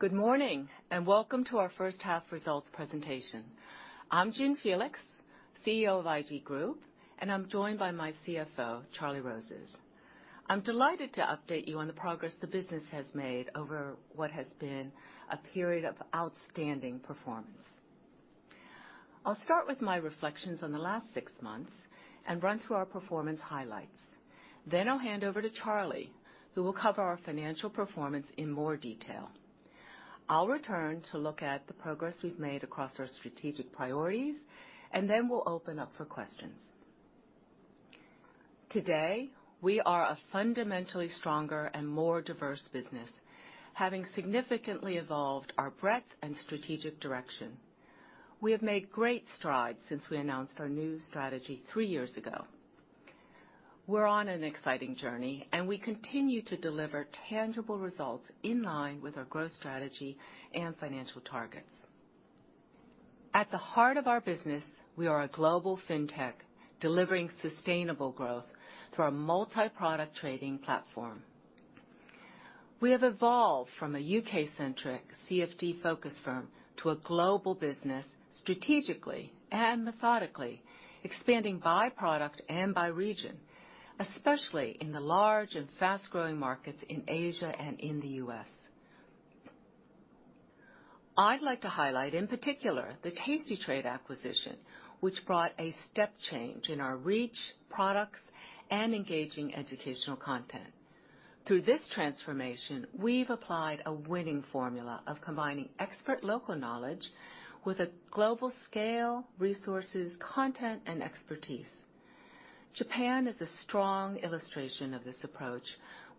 Good morning, and welcome to our First Half Results presentation. I'm June Felix, Chief Executive Officer of IG Group, and I'm joined by my Chief Financial Officer, Charlie Rozes. I'm delighted to update you on the progress the business has made over what has been a period of outstanding performance. I'll start with my reflections on the last six months and run through our performance highlights. Then I'll hand over to Charlie, who will cover our financial performance in more detail. I'll return to look at the progress we've made across our strategic priorities, and then we'll open up for questions. Today, we are a fundamentally stronger and more diverse business, having significantly evolved our breadth and strategic direction. We have made great strides since we announced our new strategy three years ago. We're on an exciting journey, and we continue to deliver tangible results in line with our growth strategy and financial targets. At the heart of our business, we are a global fintech, delivering sustainable growth through our multi-product trading platform. We have evolved from a U.K.-centric CFD-focused firm to a global business, strategically and methodically expanding by product and by region, especially in the large and fast-growing markets in Asia and in the U.S. I'd like to highlight, in particular, the tastytrade acquisition, which brought a step change in our reach, products, and engaging educational content. Through this transformation, we've applied a winning formula of combining expert local knowledge with a global scale, resources, content, and expertise. Japan is a strong illustration of this approach,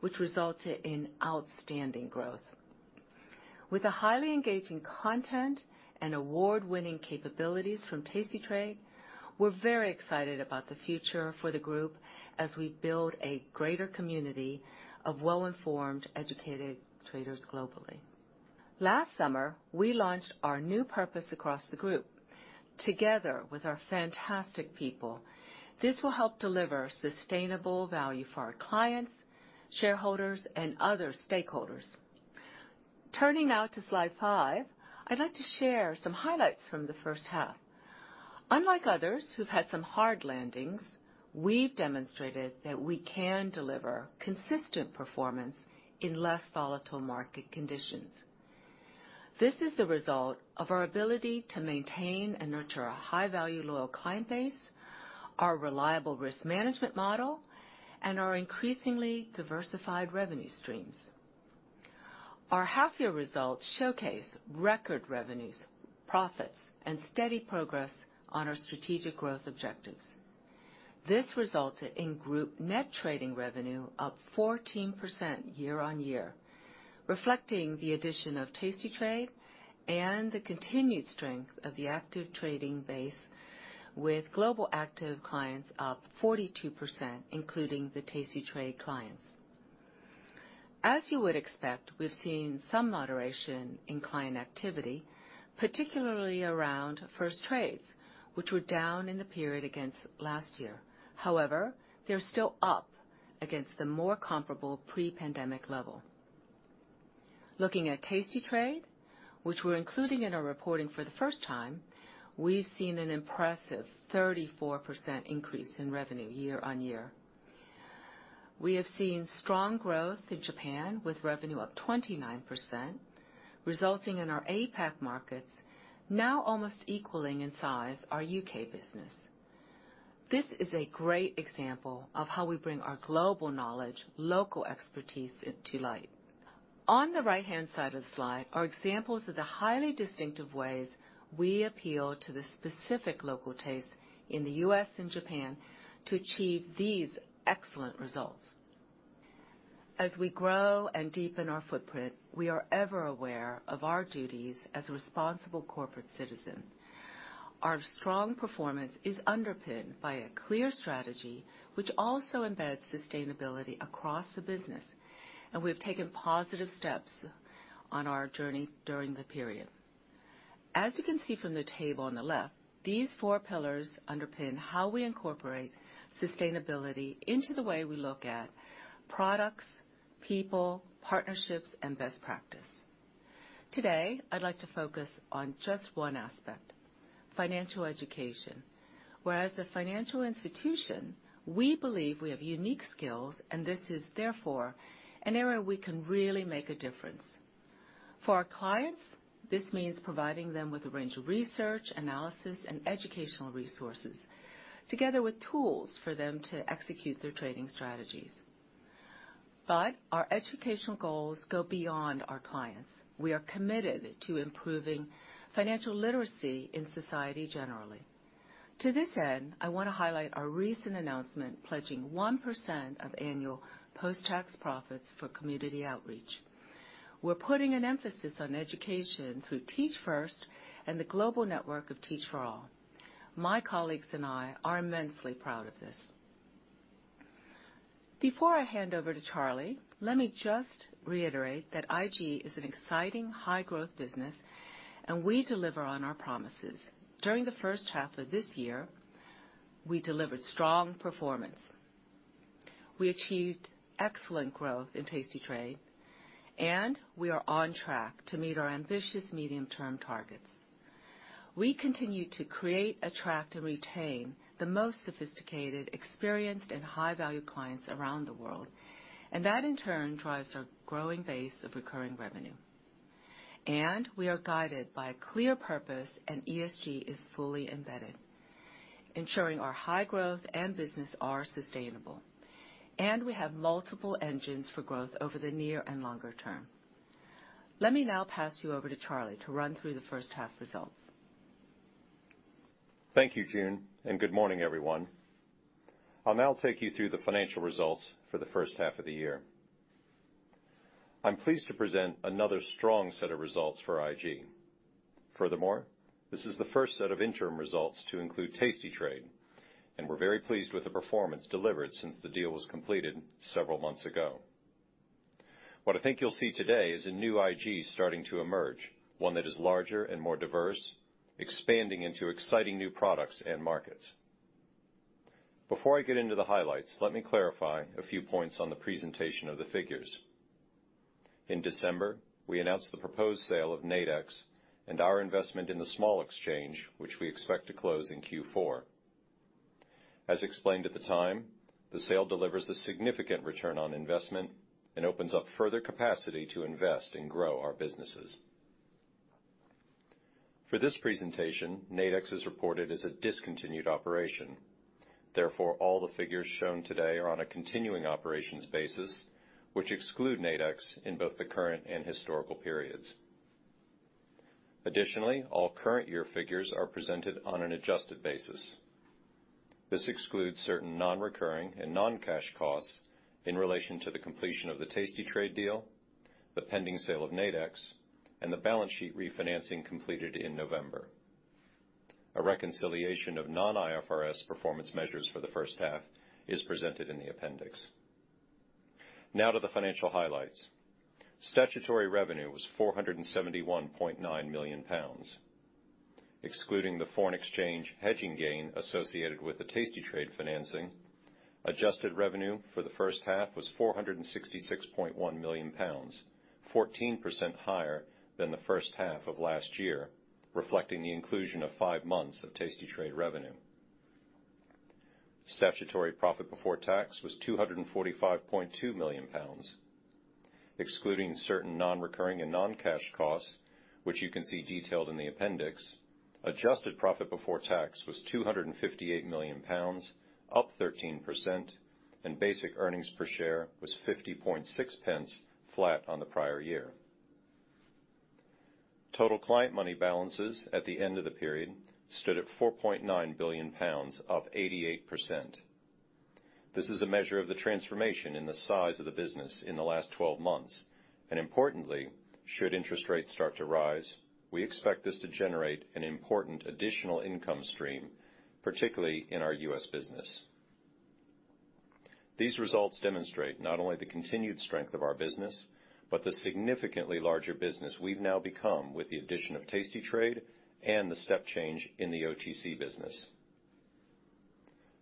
which resulted in outstanding growth. With the highly engaging content and award-winning capabilities from tastytrade, we're very excited about the future for the group as we build a greater community of well-informed, educated traders globally. Last summer, we launched our new purpose across the group. Together with our fantastic people, this will help deliver sustainable value for our clients, shareholders, and other stakeholders. Turning now to slide five, I'd like to share some highlights from the first half. Unlike others who've had some hard landings, we've demonstrated that we can deliver consistent performance in less volatile market conditions. This is the result of our ability to maintain and nurture a high-value, loyal client base, our reliable risk management model, and our increasingly diversified revenue streams. Our half-year results showcase record revenues, profits, and steady progress on our strategic growth objectives. This resulted in group net trading revenue up 14% year-on-year, reflecting the addition of tastytrade and the continued strength of the active trading base with global active clients up 42%, including the tastytrade clients. As you would expect, we've seen some moderation in client activity, particularly around first trades, which were down in the period against last year. However, they're still up against the more comparable pre-pandemic level. Looking at tastytrade, which we're including in our reporting for the first time, we've seen an impressive 34% increase in revenue year-on-year. We have seen strong growth in Japan, with revenue up 29%, resulting in our APAC markets now almost equaling in size our U.K. business. This is a great example of how we bring our global knowledge, local expertise to light. On the right-hand side of the slide are examples of the highly distinctive ways we appeal to the specific local tastes in the U.S. and Japan to achieve these excellent results. As we grow and deepen our footprint, we are ever aware of our duties as a responsible corporate citizen. Our strong performance is underpinned by a clear strategy which also embeds sustainability across the business, and we have taken positive steps on our journey during the period. As you can see from the table on the left, these four pillars underpin how we incorporate sustainability into the way we look at products, people, partnerships, and best practice. Today, I'd like to focus on just one aspect, financial education, where as a financial institution, we believe we have unique skills, and this is therefore an area we can really make a difference. For our clients, this means providing them with a range of research, analysis, and educational resources, together with tools for them to execute their trading strategies. But our educational goals go beyond our clients. We are committed to improving financial literacy in society generally. To this end, I want to highlight our recent announcement pledging 1% of annual post-tax profits for community outreach. We're putting an emphasis on education through Teach First and the global network of Teach For All. My colleagues and I are immensely proud of this. Before I hand over to Charlie, let me just reiterate that IG is an exciting high-growth business, and we deliver on our promises. During the first half of this year. We delivered strong performance. We achieved excellent growth in tastytrade, and we are on track to meet our ambitious medium-term targets. We continue to create, attract, and retain the most sophisticated, experienced, and high-value clients around the world, and that, in turn, drives our growing base of recurring revenue. We are guided by a clear purpose, and ESG is fully embedded, ensuring our high growth and business are sustainable, and we have multiple engines for growth over the near and longer term. Let me now pass you over to Charlie to run through the first half results. Thank you, June, and good morning, everyone. I'll now take you through the financial results for the first half of the year. I'm pleased to present another strong set of results for IG. Furthermore, this is the first set of interim results to include tastytrade, and we're very pleased with the performance delivered since the deal was completed several months ago. What I think you'll see today is a new IG starting to emerge, one that is larger and more diverse, expanding into exciting new products and markets. Before I get into the highlights, let me clarify a few points on the presentation of the figures. In December, we announced the proposed sale of Nadex and our investment in the Small Exchange, which we expect to close in Q4. As explained at the time, the sale delivers a significant return on investment and opens up further capacity to invest and grow our businesses. For this presentation, Nadex is reported as a discontinued operation. Therefore, all the figures shown today are on a continuing operations basis, which exclude Nadex in both the current and historical periods. Additionally, all current year figures are presented on an adjusted basis. This excludes certain non-recurring and non-cash costs in relation to the completion of the tastytrade deal, the pending sale of Nadex, and the balance sheet refinancing completed in November. A reconciliation of non-IFRS performance measures for the first half is presented in the appendix. Now to the financial highlights, statutory revenue was 471.9 million pounds. Excluding the foreign exchange hedging gain associated with the tastytrade financing, adjusted revenue for the first half was 466.1 million pounds, 14% higher than the first half of last year, reflecting the inclusion of five months of tastytrade revenue. Statutory profit before tax was 245.2 million pounds. Excluding certain non-recurring and non-cash costs, which you can see detailed in the appendix, adjusted profit before tax was 258 million pounds, up 13%, and basic earnings per share was 50.6 pence, flat on the prior year, total client money balances at the end of the period stood at 4.9 billion pounds, up 88%. This is a measure of the transformation in the size of the business in the last 12 months, and importantly, should interest rates start to rise, we expect this to generate an important additional income stream, particularly in our U.S. business. These results demonstrate not only the continued strength of our business, but the significantly larger business we've now become with the addition of tastytrade and the step change in the OTC business.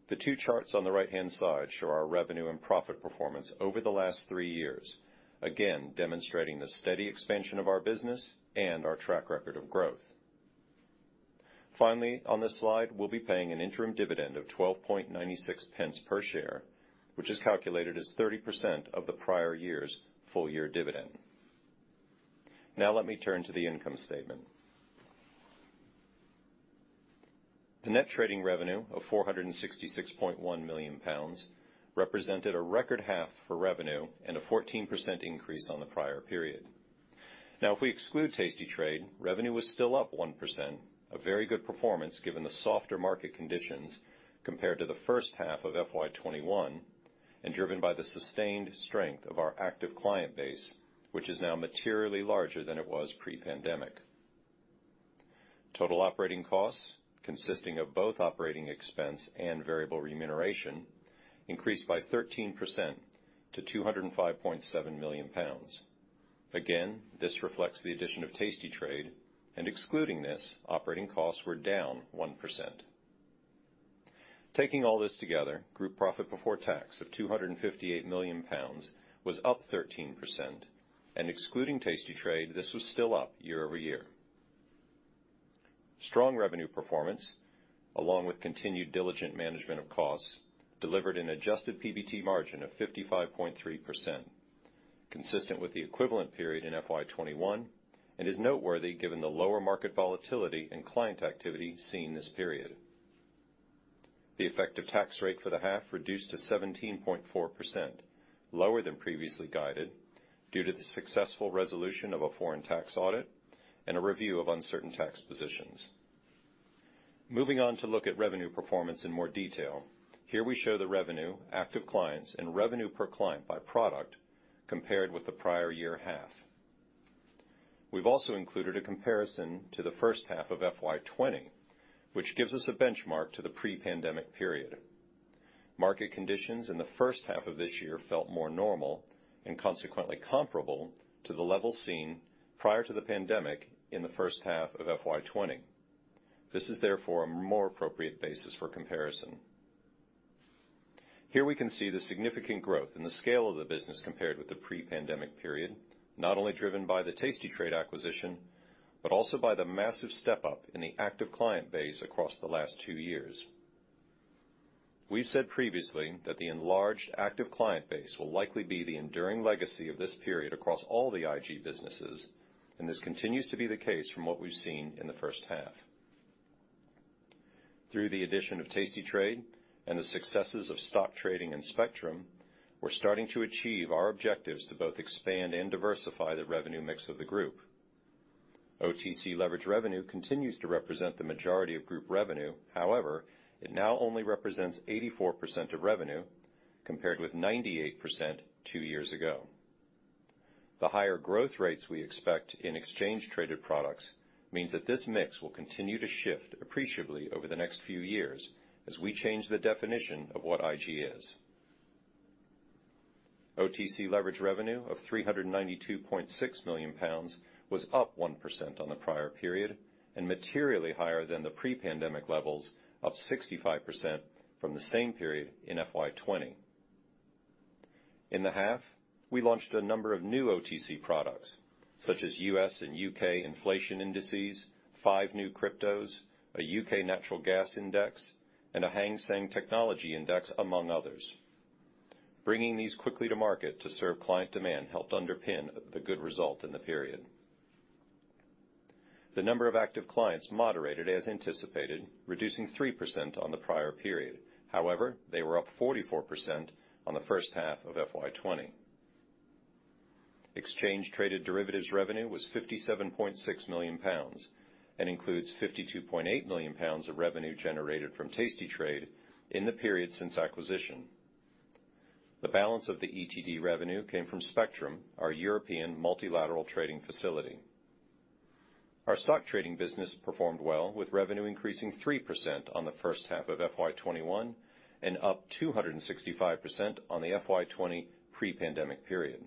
The two charts on the right-hand side show our revenue and profit performance over the last three years, again demonstrating the steady expansion of our business and our track record of growth. Finally, on this slide, we'll be paying an interim dividend of 12.96 per share, which is calculated as 30% of the prior year's full year dividend. Now let me turn to the income statement. The net trading revenue of 466.1 million pounds represented a record half for revenue and a 14% increase on the prior period. Now, if we exclude tastytrade, revenue was still up 1%, a very good performance given the softer market conditions compared to the first half of FY 2021 and driven by the sustained strength of our active client base, which is now materially larger than it was pre-pandemic. Total operating costs, consisting of both operating expense and variable remuneration, increased by 13% to 205.7 million pounds. Again, this reflects the addition of tastytrade and excluding this, operating costs were down 1%. Taking all this together, group profit before tax of 258 million pounds was up 13% and excluding tastytrade, this was still up year-over-year. Strong revenue performance, along with continued diligent management of costs, delivered an adjusted PBT margin of 55.3%, consistent with the equivalent period in FY 2021 and is noteworthy given the lower market volatility and client activity seen this period. The effective tax rate for the half reduced to 17.4%, lower than previously guided, due to the successful resolution of a foreign tax audit and a review of uncertain tax positions. Moving on to look at revenue performance in more detail. Here we show the revenue, active clients, and revenue per client by product compared with the prior year half. We've also included a comparison to the first half of FY 2020, which gives us a benchmark to the pre-pandemic period. Market conditions in the first half of this year felt more normal and consequently comparable to the level seen prior to the pandemic in the first half of FY 2020. This is therefore a more appropriate basis for comparison. Here we can see the significant growth in the scale of the business compared with the pre-pandemic period, not only driven by the tastytrade acquisition, but also by the massive step-up in the active client base across the last two years. We've said previously that the enlarged active client base will likely be the enduring legacy of this period across all the IG businesses, and this continues to be the case from what we've seen in the first half. Through the addition of tastytrade and the successes of stock trading and Spectrum, we're starting to achieve our objectives to both expand and diversify the revenue mix of the group. OTC leverage revenue continues to represent the majority of group revenue. However, it now only represents 84% of revenue compared with 98% two years ago. The higher growth rates we expect in exchange traded products means that this mix will continue to shift appreciably over the next few years as we change the definition of what IG is. OTC leverage revenue of 392.6 million pounds was up 1% on the prior period and materially higher than the pre-pandemic levels, up 65% from the same period in FY 2020. In the half, we launched a number of new OTC products, such as U.S., and U.K inflation indices, five new cryptos, a U.K natural gas index, and a Hang Seng TECH Index, among others. Bringing these quickly to market to serve client demand helped underpin the good result in the period. The number of active clients moderated as anticipated, reducing 3% on the prior period. However, they were up 44% on the first half of FY 2020. Exchange traded derivatives revenue was 57.6 million pounds and includes 52.8 million pounds of revenue generated from tastytrade in the period since acquisition. The balance of the ETD revenue came from Spectrum, our European multilateral trading facility. Our stock trading business performed well with revenue increasing 3% on the first half of FY 2021 and up 265% on the FY 2020 pre-pandemic period.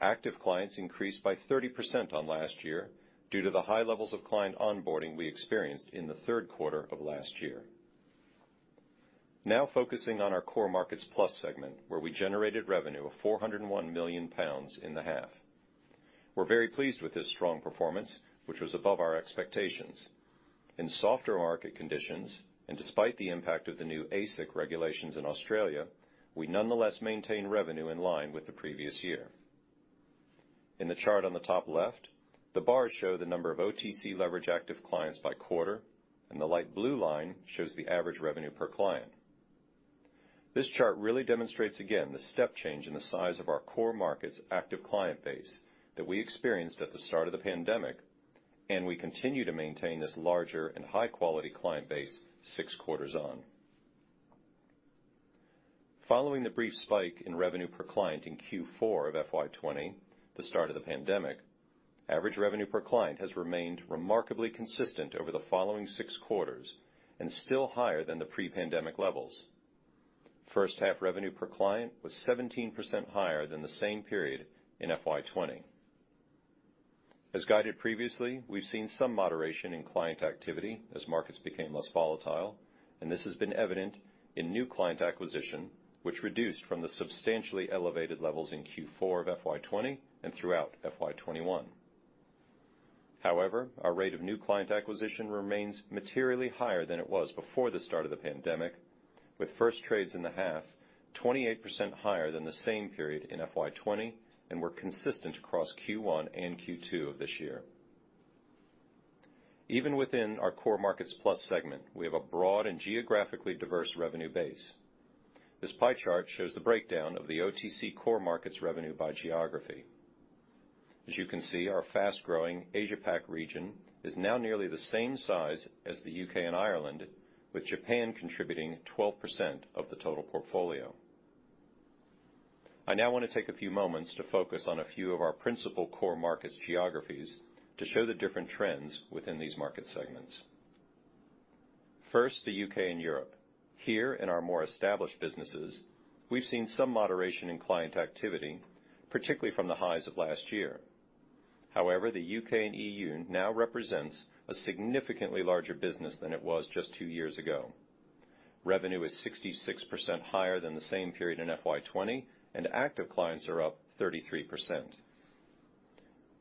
Active clients increased by 30% on last year due to the high levels of client onboarding we experienced in the third quarter of last year. Now focusing on our Core Markets+ segment where we generated revenue of 401 million pounds in the half. We're very pleased with this strong performance, which was above our expectations. In softer market conditions and despite the impact of the new ASIC regulations in Australia, we nonetheless maintain revenue in line with the previous year. In the chart on the top left, the bars show the number of OTC leverage active clients by quarter, and the light blue line shows the average revenue per client. This chart really demonstrates, again, the step change in the size of our Core Markets active client base that we experienced at the start of the pandemic, and we continue to maintain this larger and high-quality client base six quarters on. Following the brief spike in revenue per client in Q4 of FY 2020, the start of the pandemic, average revenue per client has remained remarkably consistent over the following six quarters and still higher than the pre-pandemic levels. First half revenue per client was 17% higher than the same period in FY 2020. As guided previously, we've seen some moderation in client activity as markets became less volatile, and this has been evident in new client acquisition, which reduced from the substantially elevated levels in Q4 of FY 2020 and throughout FY 2021. However, our rate of new client acquisition remains materially higher than it was before the start of the pandemic, with first trades in the half 28% higher than the same period in FY 2020 and were consistent across Q1 and Q2 of this year. Even within our Core Markets+ segment, we have a broad and geographically diverse revenue base. This pie chart shows the breakdown of the OTC Core Markets+ revenue by geography. As you can see, our fast-growing Asia Pacific region is now nearly the same size as the U.K. and Ireland, with Japan contributing 12% of the total portfolio. I now want to take a few moments to focus on a few of our principal Core Markets+ geographies to show the different trends within these market segments. First, the U.K. and Europe. Here in our more established businesses, we've seen some moderation in client activity, particularly from the highs of last year. However, the U.K. and EU now represents a significantly larger business than it was just two years ago. Revenue is 66% higher than the same period in FY 2020, and active clients are up 33%.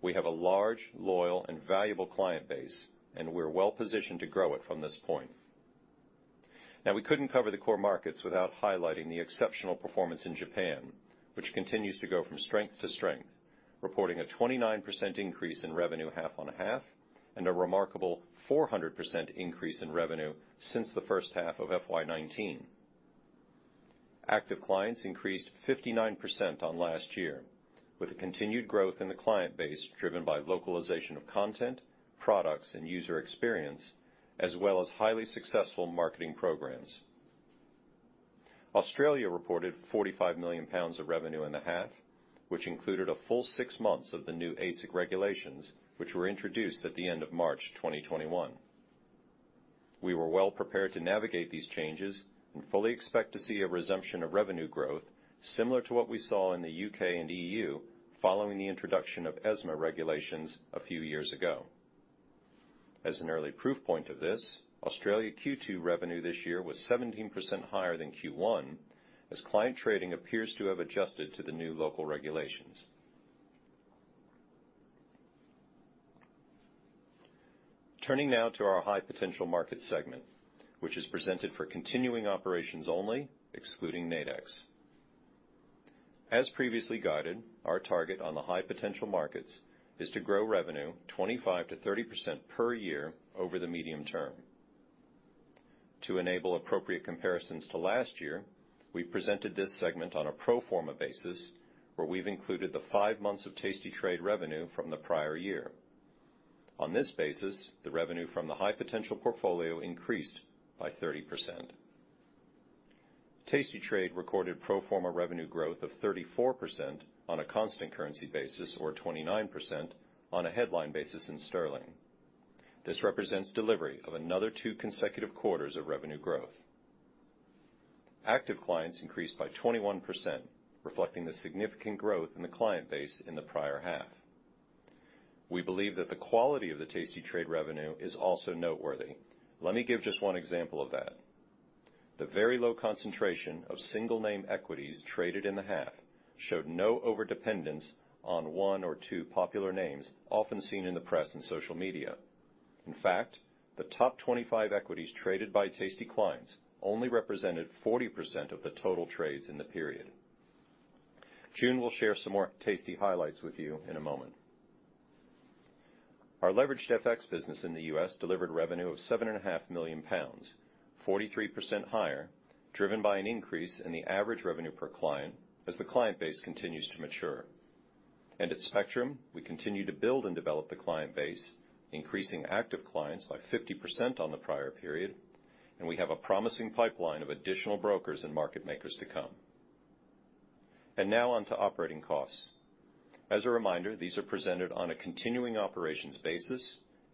We have a large, loyal and valuable client base, and we're well-positioned to grow it from this point. Now, we couldn't cover the core markets without highlighting the exceptional performance in Japan, which continues to go from strength to strength, reporting a 29% increase in revenue half on half and a remarkable 400% increase in revenue since the first half of FY 2019. Active clients increased 59% on last year with a continued growth in the client base driven by localization of content, products, and user experience, as well as highly successful marketing programs. Australia reported 45 million pounds of revenue in the half, which included a full six months of the new ASIC regulations, which were introduced at the end of March 2021. We were well prepared to navigate these changes and fully expect to see a resumption of revenue growth similar to what we saw in the U.K. and EU following the introduction of ESMA regulations a few years ago. As an early proof point of this, Australia Q2 revenue this year was 17% higher than Q1, as client trading appears to have adjusted to the new local regulations. Turning now to our high potential market segment, which is presented for continuing operations only, excluding Nadex. As previously guided, our target on the high potential markets is to grow revenue 25%-30% per year over the medium term. To enable appropriate comparisons to last year, we presented this segment on a pro forma basis, where we've included the five months of tastytrade revenue from the prior year. On this basis, the revenue from the high potential portfolio increased by 30%. tastytrade recorded pro forma revenue growth of 34% on a constant currency basis or 29% on a headline basis in sterling. This represents delivery of another two consecutive quarters of revenue growth. Active clients increased by 21%, reflecting the significant growth in the client base in the prior half. We believe that the quality of the tastytrade revenue is also noteworthy. Let me give just one example of that. The very low concentration of single name equities traded in the half showed no overdependence on one or two popular names often seen in the press and social media. In fact, the top 25 equities traded by tasty clients only represented 40% of the total trades in the period. June will share some more tasty highlights with you in a moment. Our leveraged FX business in the U.S. delivered revenue of 7.5 million pounds, 43% higher, driven by an increase in the average revenue per client as the client base continues to mature. At Spectrum, we continue to build and develop the client base, increasing active clients by 50% on the prior period, and we have a promising pipeline of additional brokers and market makers to come. Now on to operating costs. As a reminder, these are presented on a continuing operations basis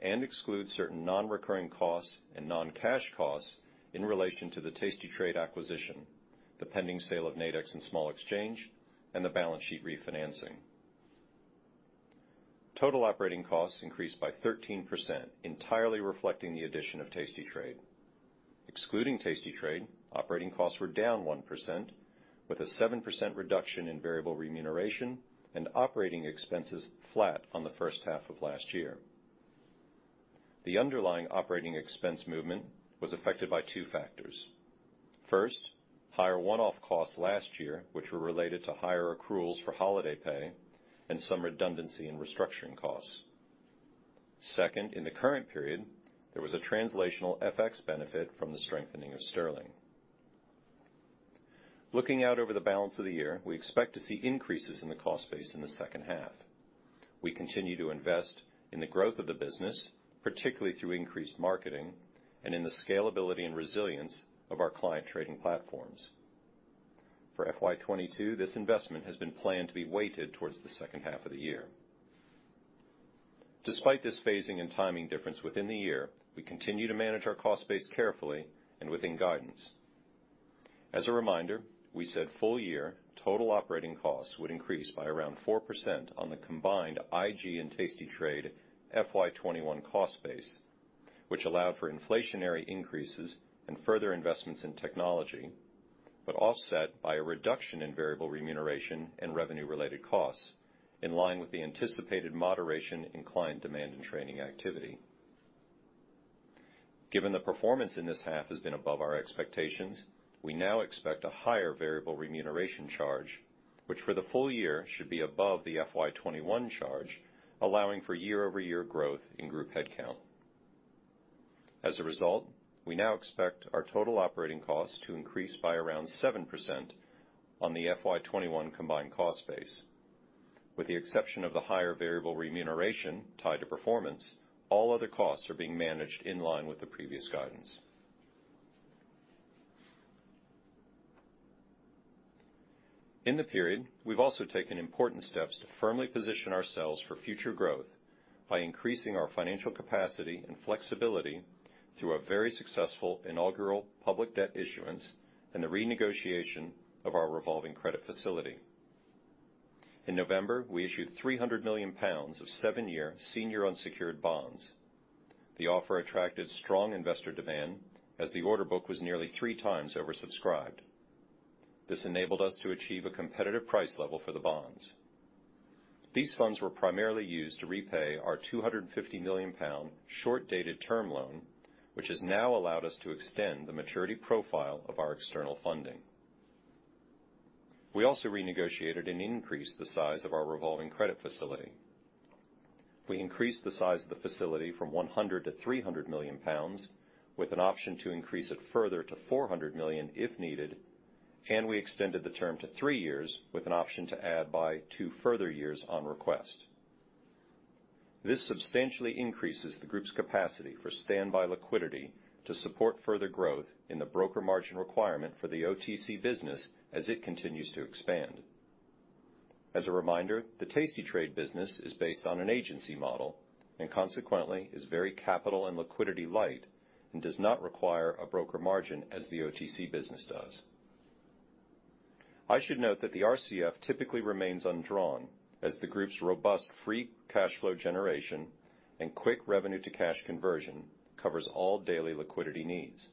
and excludes certain non-recurring costs and non-cash costs in relation to the tastytrade acquisition, the pending sale of Nadex and Small Exchange, and the balance sheet refinancing. Total operating costs increased by 13%, entirely reflecting the addition of tastytrade. Excluding tastytrade, operating costs were down 1%, with a 7% reduction in variable remuneration and operating expenses flat on the first half of last year. The underlying operating expense movement was affected by two factors. First, higher one-off costs last year, which were related to higher accruals for holiday pay and some redundancy and restructuring costs. Second, in the current period, there was a translational FX benefit from the strengthening of sterling. Looking out over the balance of the year, we expect to see increases in the cost base in the second half. We continue to invest in the growth of the business, particularly through increased marketing and in the scalability and resilience of our client trading platforms. For FY 2022, this investment has been planned to be weighted towards the second half of the year. Despite this phasing and timing difference within the year, we continue to manage our cost base carefully and within guidance. As a reminder, we said full year total operating costs would increase by around 4% on the combined IG and tastytrade FY 2021 cost base, which allowed for inflationary increases and further investments in technology, but offset by a reduction in variable remuneration and revenue-related costs, in line with the anticipated moderation in client demand and trading activity. Given the performance in this half has been above our expectations, we now expect a higher variable remuneration charge, which for the full year should be above the FY 2021 charge, allowing for year-over-year growth in group headcount. As a result, we now expect our total operating costs to increase by around 7% on the FY 2021 combined cost base. With the exception of the higher variable remuneration tied to performance, all other costs are being managed in line with the previous guidance. In the period, we've also taken important steps to firmly position ourselves for future growth by increasing our financial capacity and flexibility through a very successful inaugural public debt issuance and the renegotiation of our revolving credit facility. In November, we issued 300 million pounds of seven-year senior unsecured bonds. The offer attracted strong investor demand as the order book was nearly 3x oversubscribed. This enabled us to achieve a competitive price level for the bonds. These funds were primarily used to repay our 250 million pound short-dated term loan, which has now allowed us to extend the maturity profile of our external funding. We also renegotiated and increased the size of our revolving credit facility. We increased the size of the facility from 100 million-300 million pounds, with an option to increase it further to 400 million if needed, and we extended the term to three-years with an option to add by two further years on request. This substantially increases the group's capacity for standby liquidity to support further growth in the broker margin requirement for the OTC business as it continues to expand. As a reminder, the tastytrade business is based on an agency model and consequently is very capital and liquidity light and does not require a broker margin as the OTC business does. I should note that the RCF typically remains undrawn as the group's robust free cash flow generation and quick revenue to cash conversion covers all daily liquidity needs.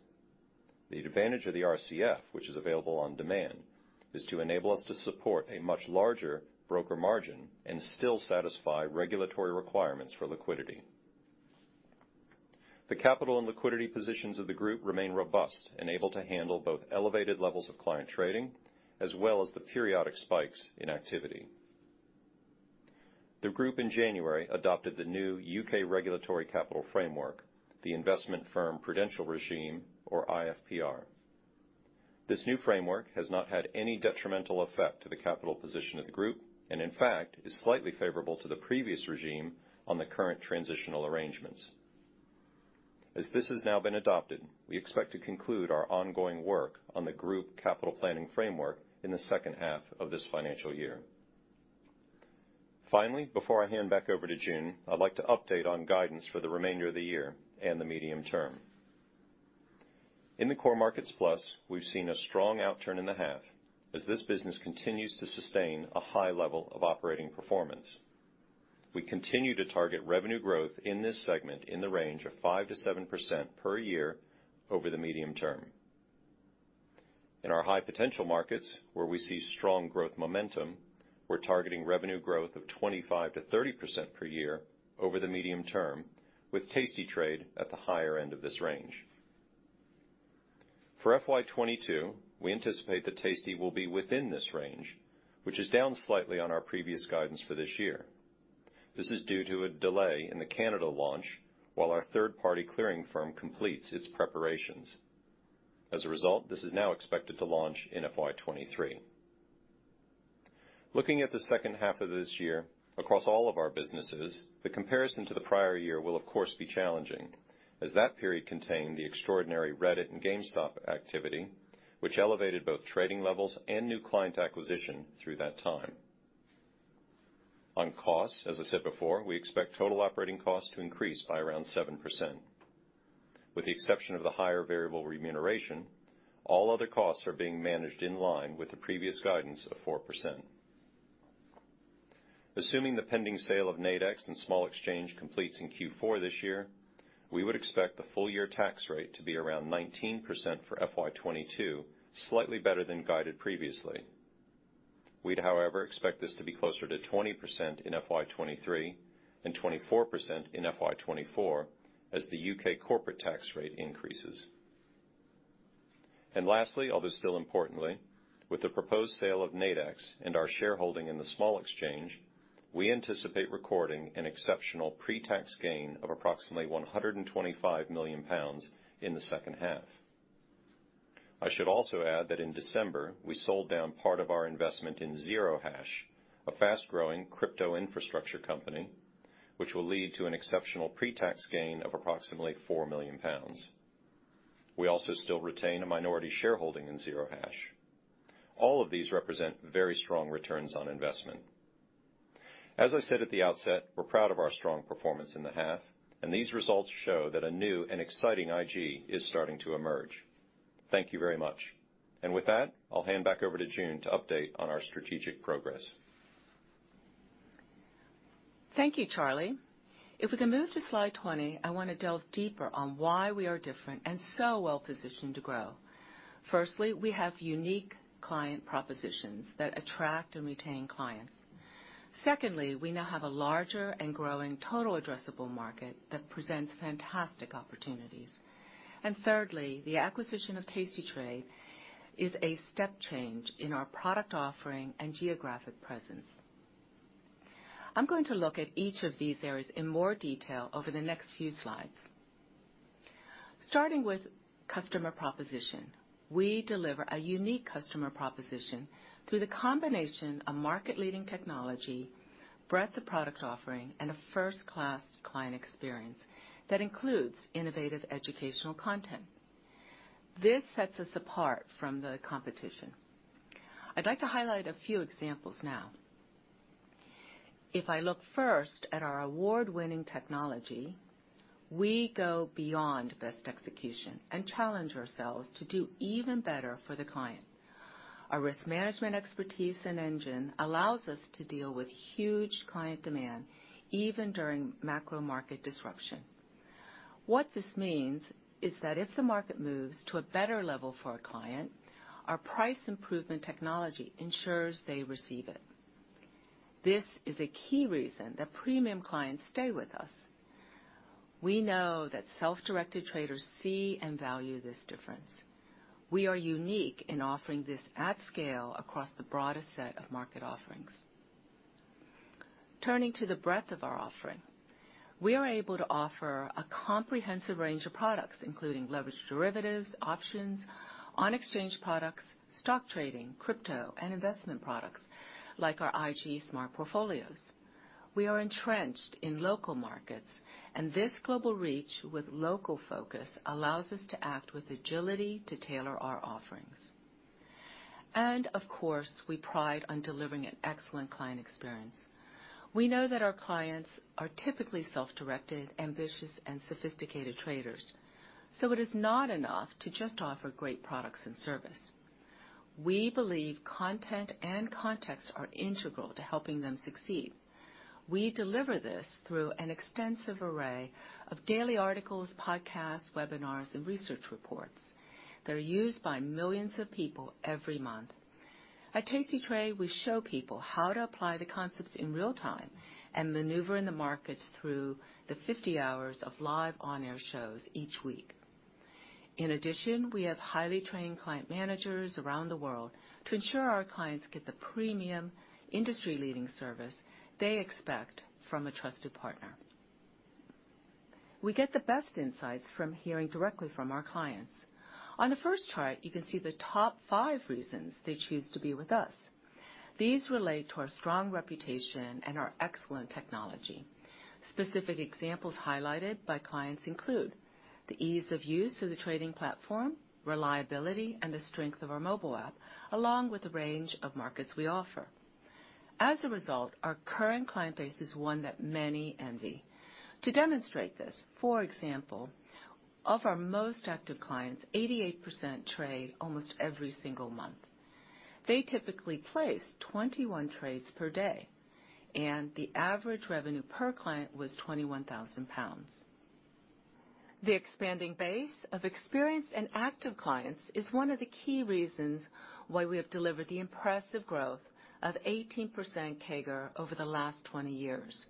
The advantage of the RCF, which is available on demand, is to enable us to support a much larger broker margin and still satisfy regulatory requirements for liquidity. The capital and liquidity positions of the group remain robust and able to handle both elevated levels of client trading as well as the periodic spikes in activity. The group in January adopted the new U.K. regulatory capital framework, the Investment Firms Prudential Regime, or IFPR. This new framework has not had any detrimental effect to the capital position of the group and in fact is slightly favorable to the previous regime on the current transitional arrangements. As this has now been adopted, we expect to conclude our ongoing work on the group capital planning framework in the second half of this financial year. Finally, before I hand back over to June, I'd like to update on guidance for the remainder of the year and the medium term. In the Core Markets+, we've seen a strong outturn in the half as this business continues to sustain a high level of operating performance. We continue to target revenue growth in this segment in the range of 5%-7% per year over the medium term. In our high potential markets, where we see strong growth momentum, we're targeting revenue growth of 25%-30% per year over the medium term, with tastytrade at the higher end of this range. For FY 2022, we anticipate that tasty will be within this range, which is down slightly on our previous guidance for this year. This is due to a delay in the Canada launch while our third-party clearing firm completes its preparations. As a result, this is now expected to launch in FY 2023. Looking at the second half of this year, across all of our businesses, the comparison to the prior year will of course be challenging, as that period contained the extraordinary Reddit and GameStop activity, which elevated both trading levels and new client acquisition through that time. On costs, as I said before, we expect total operating costs to increase by around 7%. With the exception of the higher variable remuneration, all other costs are being managed in line with the previous guidance of 4%. Assuming the pending sale of Nadex and Small Exchange completes in Q4 this year, we would expect the full year tax rate to be around 19% for FY 2022, slightly better than guided previously. We'd, however, expect this to be closer to 20% in FY 2023 and 24% in FY 2024 as the U.K. corporate tax rate increases. Lastly, although still importantly, with the proposed sale of Nadex and our shareholding in the Small Exchange, we anticipate recording an exceptional pre-tax gain of approximately 125 million pounds in the second half. I should also add that in December, we sold down part of our investment in Zero Hash, a fast-growing crypto infrastructure company, which will lead to an exceptional pre-tax gain of approximately 4 million pounds. We also still retain a minority shareholding in Zero Hash. All of these represent very strong returns on investment. As I said at the outset, we're proud of our strong performance in the half, and these results show that a new and exciting IG is starting to emerge. Thank you very much. With that, I'll hand back over to June to update on our strategic progress. Thank you, Charlie. If we can move to slide 20, I want to delve deeper on why we are different and so well positioned to grow. Firstly, we have unique client propositions that attract and retain clients. Secondly, we now have a larger and growing total addressable market that presents fantastic opportunities. Thirdly, the acquisition of tastytrade is a step change in our product offering and geographic presence. I'm going to look at each of these areas in more detail over the next few slides. Starting with customer proposition, we deliver a unique customer proposition through the combination of market-leading technology, breadth of product offering, and a first-class client experience that includes innovative educational content. This sets us apart from the competition. I'd like to highlight a few examples now. If I look first at our award-winning technology, we go beyond best execution and challenge ourselves to do even better for the client. Our risk management expertise and engine allows us to deal with huge client demand, even during macro market disruption. What this means is that if the market moves to a better level for a client, our price improvement technology ensures they receive it. This is a key reason that premium clients stay with us. We know that self-directed traders see and value this difference. We are unique in offering this at scale across the broadest set of market offerings. Turning to the breadth of our offering. We are able to offer a comprehensive range of products, including leveraged derivatives, options, on exchange products, stock trading, crypto and investment products, like our IG Smart Portfolios. We are entrenched in local markets, and this global reach with local focus allows us to act with agility to tailor our offerings. Of course, we pride ourselves on delivering an excellent client experience. We know that our clients are typically self-directed, ambitious, and sophisticated traders, so it is not enough to just offer great products and service. We believe content and context are integral to helping them succeed. We deliver this through an extensive array of daily articles, podcasts, webinars, and research reports. They're used by millions of people every month. At tastytrade, we show people how to apply the concepts in real time and maneuver in the markets through the 50 hours of live on-air shows each week. In addition, we have highly trained client managers around the world to ensure our clients get the premium industry-leading service they expect from a trusted partner. We get the best insights from hearing directly from our clients. On the first chart, you can see the top five reasons they choose to be with us. These relate to our strong reputation and our excellent technology. Specific examples highlighted by clients include the ease of use of the trading platform, reliability, and the strength of our mobile app, along with the range of markets we offer. As a result, our current client base is one that many envy. To demonstrate this, for example, of our most active clients, 88% trade almost every single month. They typically place 21 trades per day, and the average revenue per client was 21,000 pounds. The expanding base of experienced and active clients is one of the key reasons why we have delivered the impressive growth of 18% CAGR over the last 20 years.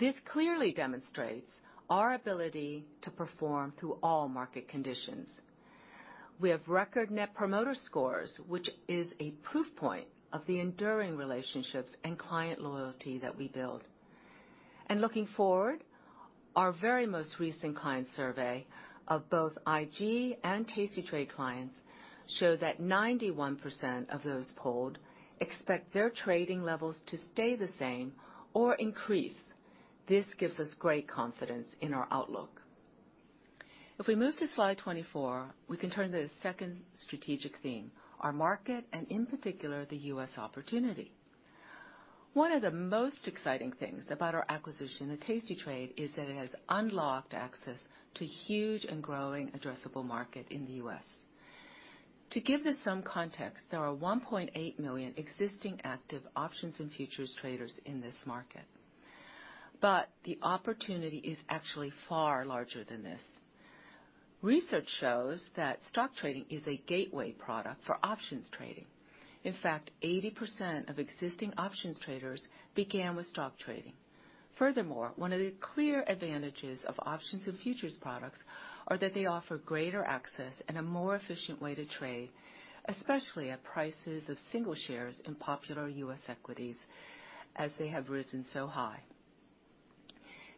This clearly demonstrates our ability to perform through all market conditions. We have record net promoter scores, which is a proof point of the enduring relationships and client loyalty that we build. Looking forward, our very most recent client survey of both IG and tastytrade clients show that 91% of those polled expect their trading levels to stay the same or increase. This gives us great confidence in our outlook. If we move to slide 24, we can turn to the second strategic theme, our market, and in particular, the U.S. opportunity. One of the most exciting things about our acquisition of tastytrade is that it has unlocked access to huge and growing addressable market in the U.S. To give this some context, there are 1.8 million existing active options and futures traders in this market. The opportunity is actually far larger than this. Research shows that stock trading is a gateway product for options trading. In fact, 80% of existing options traders began with stock trading. Furthermore, one of the clear advantages of options and futures products are that they offer greater access and a more efficient way to trade, especially at prices of single shares in popular U.S. equities as they have risen so high.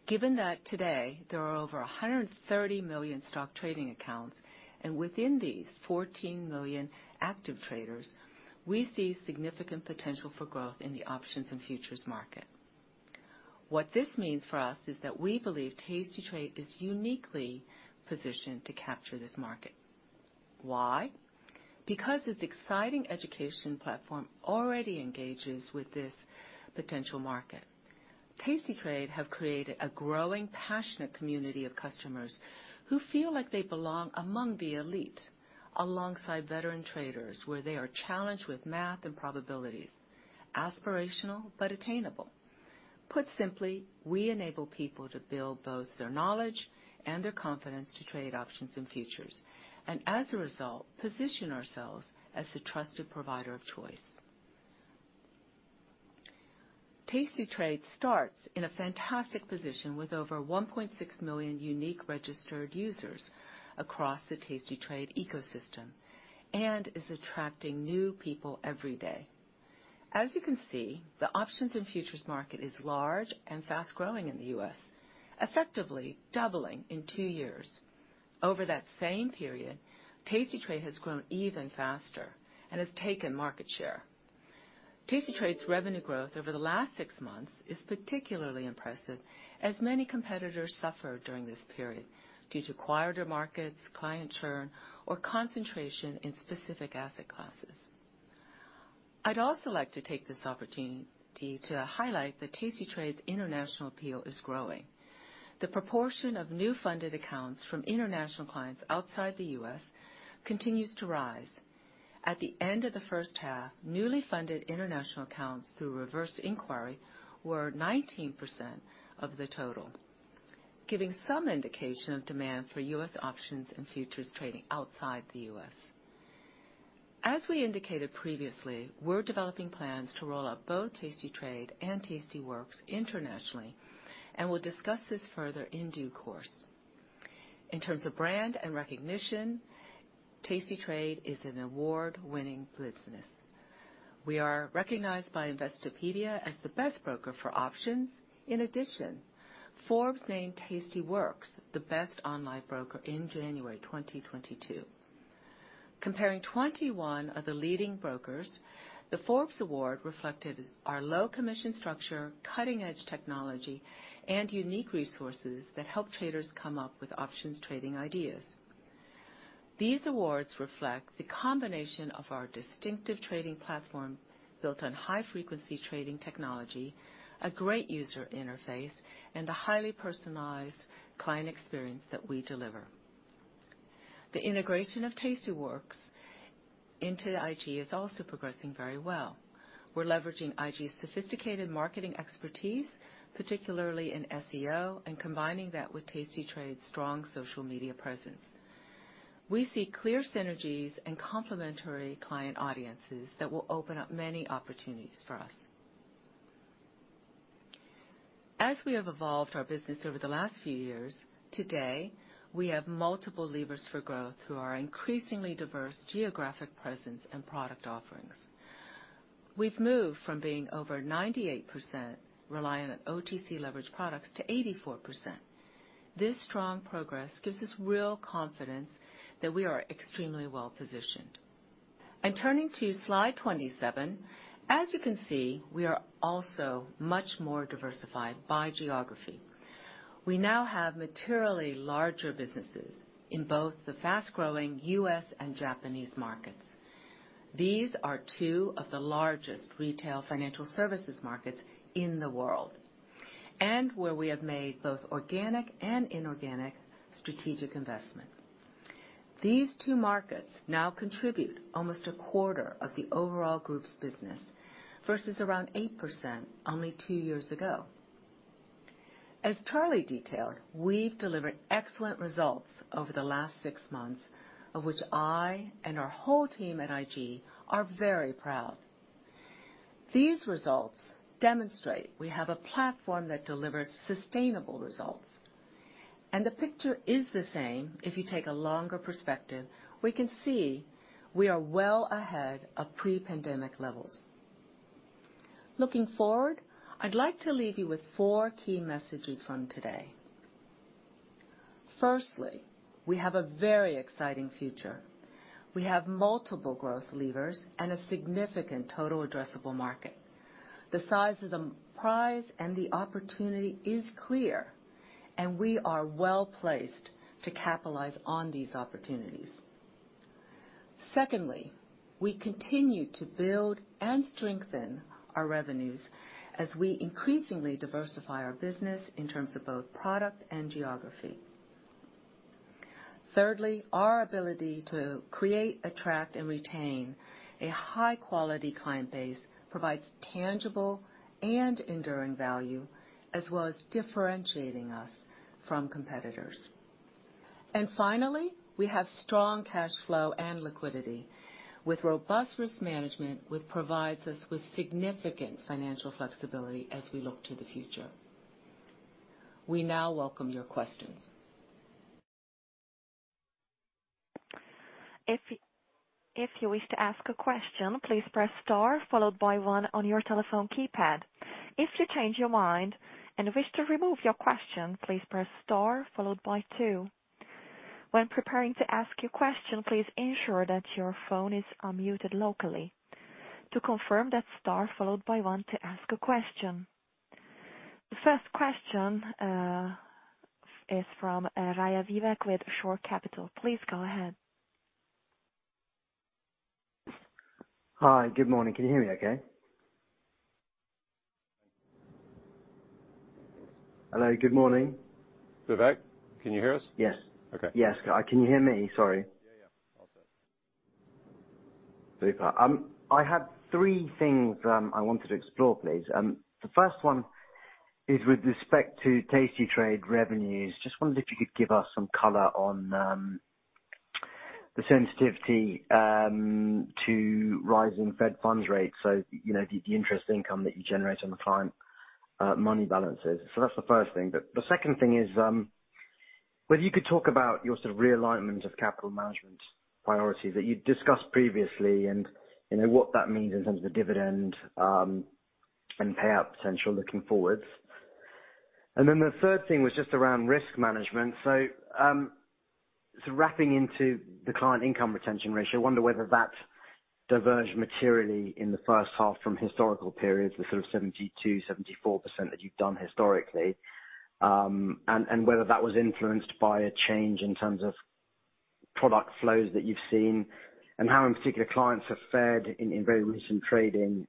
Given that today there are over 130 million stock trading accounts, and within these, 14 million active traders, we see significant potential for growth in the options and futures market. What this means for us is that we believe tastytrade is uniquely positioned to capture this market. Why? Because its exciting education platform already engages with this potential market. Tastytrade have created a growing, passionate community of customers who feel like they belong among the elite, alongside veteran traders, where they are challenged with math and probabilities, aspirational but attainable. Put simply, we enable people to build both their knowledge and their confidence to trade options and futures, and as a result, position ourselves as the trusted provider of choice, tastytrade starts in a fantastic position with over 1.6 million unique registered users, across the tastytrade ecosystem, and is attracting new people every day. As you can see, the options and futures market is large and fast-growing in the U.S., effectively doubling in two years. Over that same period, tastytrade has grown even faster and has taken market share. Tastytrade's revenue growth over the last six months is particularly impressive, as many competitors suffer during this period due to quieter markets, client churn, or concentration in specific asset classes. I'd also like to take this opportunity to highlight that tastytrade's international appeal is growing. The proportion of new funded accounts from international clients outside the U.S. continues to rise. At the end of the first half, newly funded international accounts through reverse inquiry were 19% of the total, giving some indication of demand for U.S. options and futures trading outside the U.S. As we indicated previously, we're developing plans to roll out both tastytrade and tastyworks internationally, and we'll discuss this further in due course. In terms of brand and recognition, tastytrade is an award-winning business. We are recognized by Investopedia as the best broker for options. In addition, Forbes named tastyworks the best online broker in January 2022. Comparing 21 of the leading brokers, the Forbes Award reflected our low commission structure, cutting-edge technology, and unique resources that help traders come up with options trading ideas. These awards reflect the combination of our distinctive trading platform built on high-frequency trading technology, a great user interface, and a highly personalized client experience that we deliver. The integration of tastyworks into IG is also progressing very well. We're leveraging IG's sophisticated marketing expertise, particularly in SEO, and combining that with tastytrade's strong social media presence. We see clear synergies and complementary client audiences that will open up many opportunities for us. As we have evolved our business over the last few years, today, we have multiple levers for growth through our increasingly diverse geographic presence and product offerings. We've moved from being over 98% reliant on OTC leverage products to 84%. This strong progress gives us real confidence that we are extremely well-positioned. Turning to slide 27, as you can see, we are also much more diversified by geography. We now have materially larger businesses in both the fast-growing U.S. and Japanese markets. These are two of the largest retail financial services markets in the world, and where we have made both organic and inorganic strategic investment. These two markets now contribute almost a quarter of the overall group's business versus around 8% only two years ago. As Charlie detailed, we've delivered excellent results over the last six months, of which I and our whole team at IG are very proud. These results demonstrate we have a platform that delivers sustainable results, and the picture is the same if you take a longer perspective. We can see we are well ahead of pre-pandemic levels. Looking forward, I'd like to leave you with four key messages from today. Firstly, we have a very exciting future. We have multiple growth levers and a significant total addressable market. The size of the prize and the opportunity is clear, and we are well-placed to capitalize on these opportunities. Secondly, we continue to build and strengthen our revenues as we increasingly diversify our business in terms of both product and geography. Thirdly, our ability to create, attract, and retain a high-quality client base provides tangible and enduring value, as well as differentiating us from competitors. Finally, we have strong cash flow and liquidity with robust risk management, which provides us with significant financial flexibility as we look to the future. We now welcome your questions. The first question is from Vivek Raja with Shore Capital. Please go ahead. Hi, good morning. Can you hear me okay? Hello, good morning. Vivek, can you hear us? Yes. Okay. Yes. Can you hear me? Sorry. Yeah, yeah. All set. Super. I had three things I wanted to explore, please. The first one is with respect to tastytrade revenues. Just wondered if you could give us some color on the sensitivity to rising Fed funds rates, you know, the interest income that you generate on the client money balances. That's the first thing. The second thing is whether you could talk about your sort of realignment of capital management priorities that you'd discussed previously and, you know, what that means in terms of the dividend and payout potential looking forwards. The third thing was just around risk management. Wrapping into the client income retention ratio, I wonder whether that's diverged materially in the first half from historical periods with sort of 72%-74% that you've done historically, and whether that was influenced by a change in terms of product flows that you've seen and how, in particular, clients have fared in very recent trading.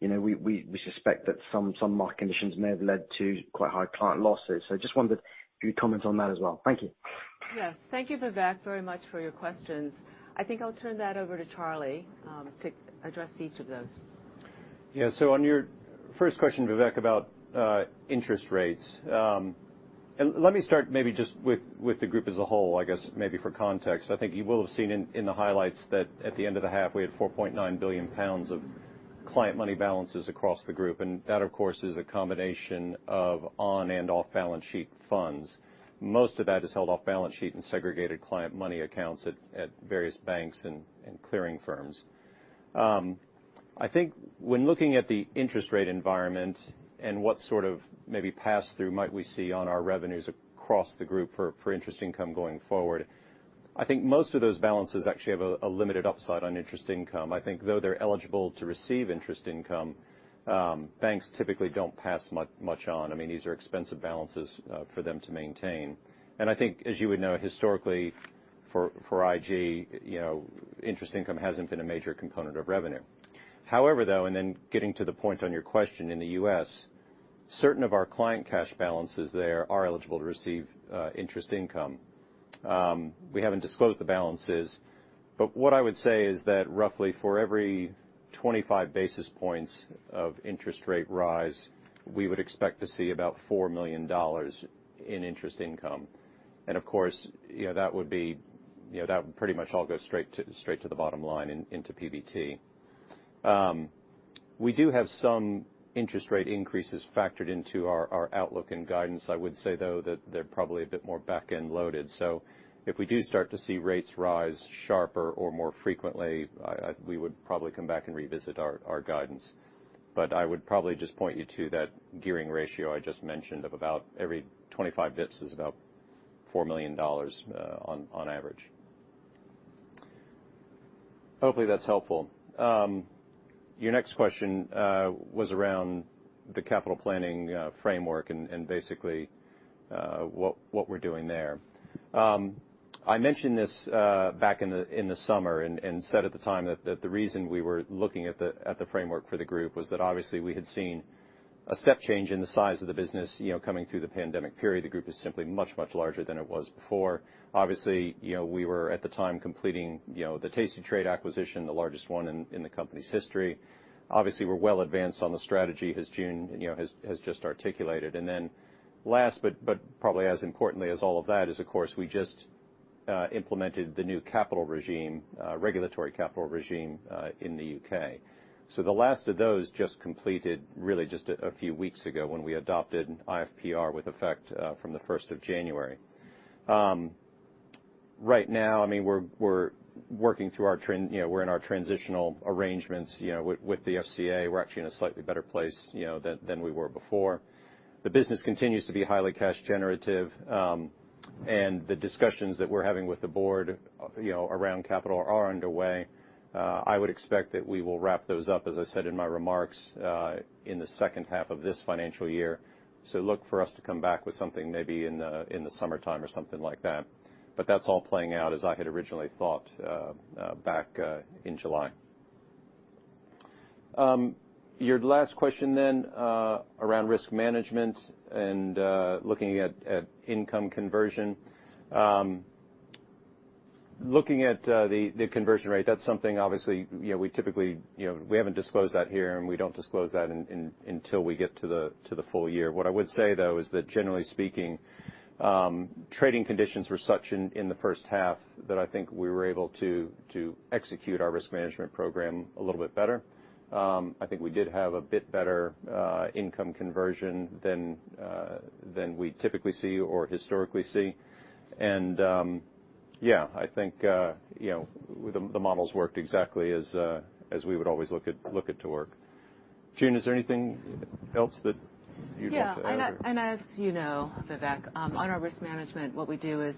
You know, we suspect that some market conditions may have led to quite high client losses. Just wondered if you'd comment on that as well. Thank you. Yes. Thank you, Vivek, very much for your questions. I think I'll turn that over to Charlie, to address each of those. Yeah. On your first question, Vivek, about interest rates, let me start maybe just with the group as a whole, I guess maybe for context. I think you will have seen in the highlights that at the end of the half, we had 4.9 billion pounds of client money balances across the group, and that, of course, is a combination of on and off balance sheet funds. Most of that is held off balance sheet in segregated client money accounts at various banks and clearing firms. I think when looking at the interest rate environment and what sort of maybe pass through might we see on our revenues across the group for interest income going forward, I think most of those balances actually have a limited upside on interest income. I think though they're eligible to receive interest income, banks typically don't pass much on. I mean, these are expensive balances for them to maintain. I think, as you would know, historically for IG, you know, interest income hasn't been a major component of revenue. However, though, getting to the point on your question, in the U.S., certain of our client cash balances there are eligible to receive interest income. We haven't disclosed the balances, but what I would say is that roughly for every 25 basis points of interest rate rise, we would expect to see about $4 million in interest income. Of course, you know, that would pretty much all go straight to the bottom line into PBT. We do have some interest rate increases factored into our outlook and guidance. I would say, though, that they're probably a bit more back-end loaded. If we do start to see rates rise sharper or more frequently, we would probably come back and revisit our guidance. I would probably just point you to that gearing ratio I just mentioned of about every 25 basis points is about $4 million on average. Hopefully, that's helpful. Your next question was around the capital planning framework and basically what we're doing there. I mentioned this back in the summer and said at the time that the reason we were looking at the framework for the group was that obviously we had seen a step change in the size of the business, you know, coming through the pandemic period. The group is simply much larger than it was before. Obviously, you know, we were at the time completing, you know, the tastytrade acquisition, the largest one in the company's history. Obviously, we're well advanced on the strategy as June, you know, has just articulated. Last, but probably as importantly as all of that is, of course, we just implemented the new capital regime, regulatory capital regime, in the U.K. The last of those just completed really just a few weeks ago when we adopted IFPR with effect from the first of January. Right now, I mean, we're working through our transitional arrangements, you know, with the FCA. We're actually in a slightly better place, you know, than we were before. The business continues to be highly cash generative, and the discussions that we're having with the board, you know, around capital are underway. I would expect that we will wrap those up, as I said in my remarks, in the second half of this financial year. Look for us to come back with something maybe in the summertime or something like that. That's all playing out as I had originally thought back in July. Your last question then, around risk management and looking at income conversion. Looking at the conversion rate, that's something obviously, you know, we typically you know we haven't disclosed that here, and we don't disclose that until we get to the full year. What I would say, though, is that generally speaking, trading conditions were such in the first half that I think we were able to execute our risk management program a little bit better. I think we did have a bit better income conversion than we typically see or historically see. Yeah, I think, you know, the models worked exactly as we would always look it to work. June, is there anything else that you'd like to add? Yeah. As you know, Vivek, on our risk management, what we do is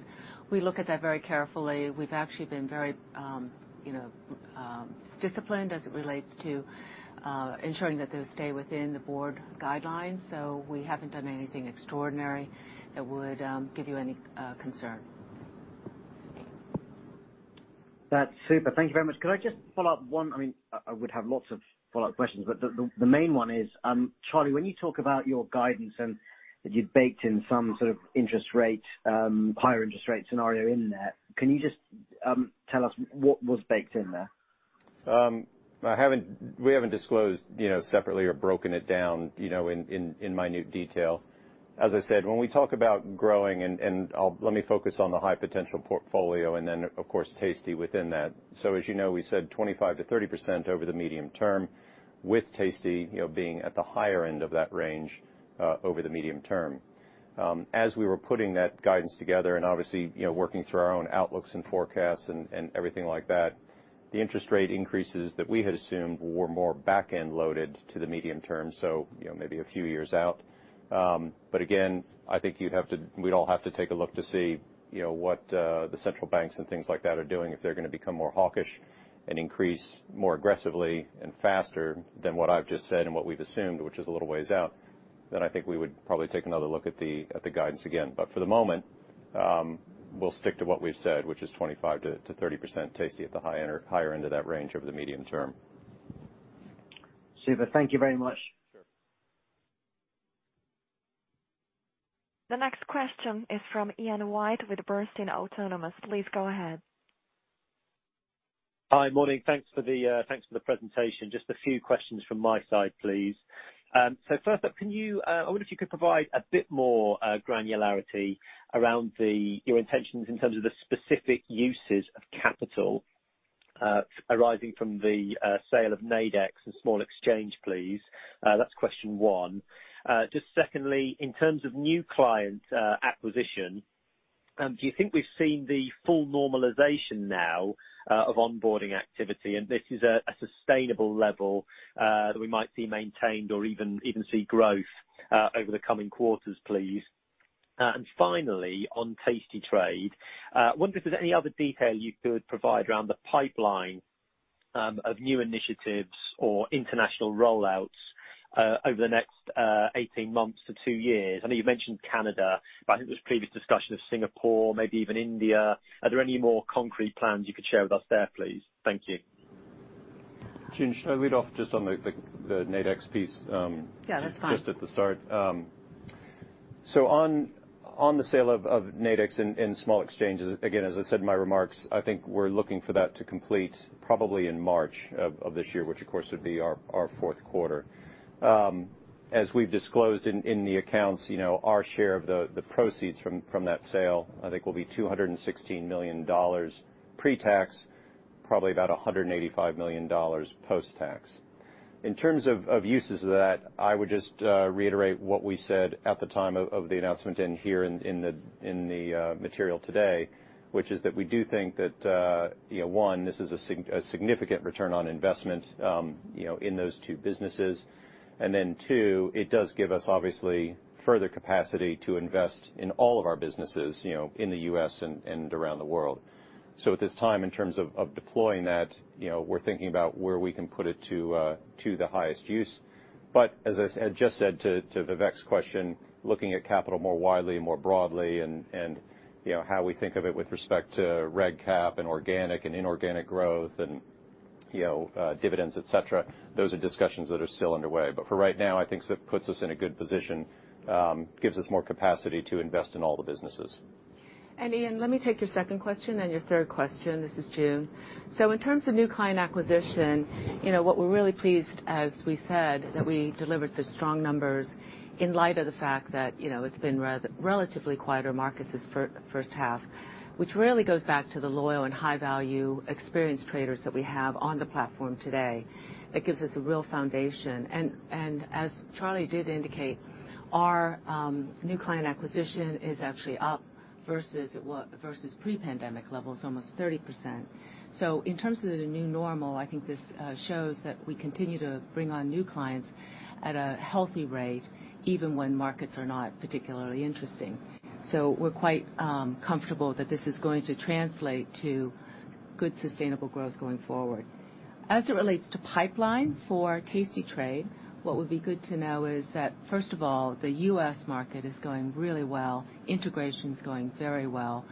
we look at that very carefully. We've actually been very, you know, disciplined as it relates to ensuring that those stay within the board guidelines. We haven't done anything extraordinary that would give you any concern. That's super. Thank you very much. Could I just follow up? I mean, I would have lots of follow-up questions, but the main one is, Charlie, when you talk about your guidance and that you've baked in some sort of interest rate, higher interest rate scenario in there, can you just tell us what was baked in there? We haven't disclosed, you know, separately or broken it down, you know, in minute detail. As I said, when we talk about growing, and I'll let me focus on the high potential portfolio and then of course tasty within that. As you know, we said 25%-30% over the medium term with tasty, you know, being at the higher end of that range over the medium term. As we were putting that guidance together and obviously, you know, working through our own outlooks and forecasts and everything like that, the interest rate increases that we had assumed were more back-end loaded to the medium term, you know, maybe a few years out. Again, I think we'd all have to take a look to see, you know, what the central banks and things like that are doing. If they're gonna become more hawkish and increase more aggressively and faster than what I've just said and what we've assumed, which is a little ways out, then I think we would probably take another look at the guidance again. For the moment, we'll stick to what we've said, which is 25%-30%, tasty at the high end or higher end of that range over the medium term. Super. Thank you very much. Sure. The next question is from Ian White with Bernstein Autonomous. Please go ahead. Hi. Morning. Thanks for the presentation. Just a few questions from my side, please. First up, I wonder if you could provide a bit more granularity around your intentions in terms of the specific uses of capital arising from the sale of Nadex and Small Exchange, please. That's question one. Just secondly, in terms of new client acquisition, do you think we've seen the full normalization now of onboarding activity, and this is a sustainable level that we might see maintained or even see growth over the coming quarters, please? And finally, on tastytrade, I wonder if there's any other detail you could provide around the pipeline of new initiatives or international rollouts over the next 18 months to two years. I know you mentioned Canada, but I think there was previous discussion of Singapore, maybe even India. Are there any more concrete plans you could share with us there, please? Thank you. June, should I lead off just on the Nadex piece? Yeah, that's fine. Just at the start. So on the sale of Nadex and Small Exchange, again, as I said in my remarks, I think we're looking for that to complete probably in March of this year, which of course would be our fourth quarter. As we've disclosed in the accounts, you know, our share of the proceeds from that sale, I think, will be $216 million pre-tax, probably about $185 million post-tax. In terms of uses of that, I would just reiterate what we said at the time of the announcement and here in the material today, which is that we do think that, you know, one, this is a significant return on investment, you know, in those two businesses. Two, it does give us obviously further capacity to invest in all of our businesses, you know, in the U.S. and around the world. At this time, in terms of deploying that, you know, we're thinking about where we can put it to the highest use. As I just said to Vivek's question, looking at capital more widely and more broadly and, you know, how we think of it with respect to reg cap and organic and inorganic growth and, you know, dividends, et cetera, those are discussions that are still underway. For right now, I think it puts us in a good position, gives us more capacity to invest in all the businesses. Ian White, let me take your second question, then your third question. This is June Felix. In terms of new client acquisition, you know what we're really pleased, as we said, that we delivered such strong numbers in light of the fact that, you know, it's been relatively quieter markets this first half, which really goes back to the loyal and high-value experienced traders that we have on the platform today. That gives us a real foundation. As Charlie did indicate, our new client acquisition is actually up versus pre-pandemic levels, almost 30%. In terms of the new normal, I think this shows that we continue to bring on new clients at a healthy rate, even when markets are not particularly interesting. We're quite comfortable that this is going to translate to good, sustainable growth going forward. As it relates to pipeline for tastytrade, what would be good to know is that first of all, the U.S. market is going really well. Integration's going very well.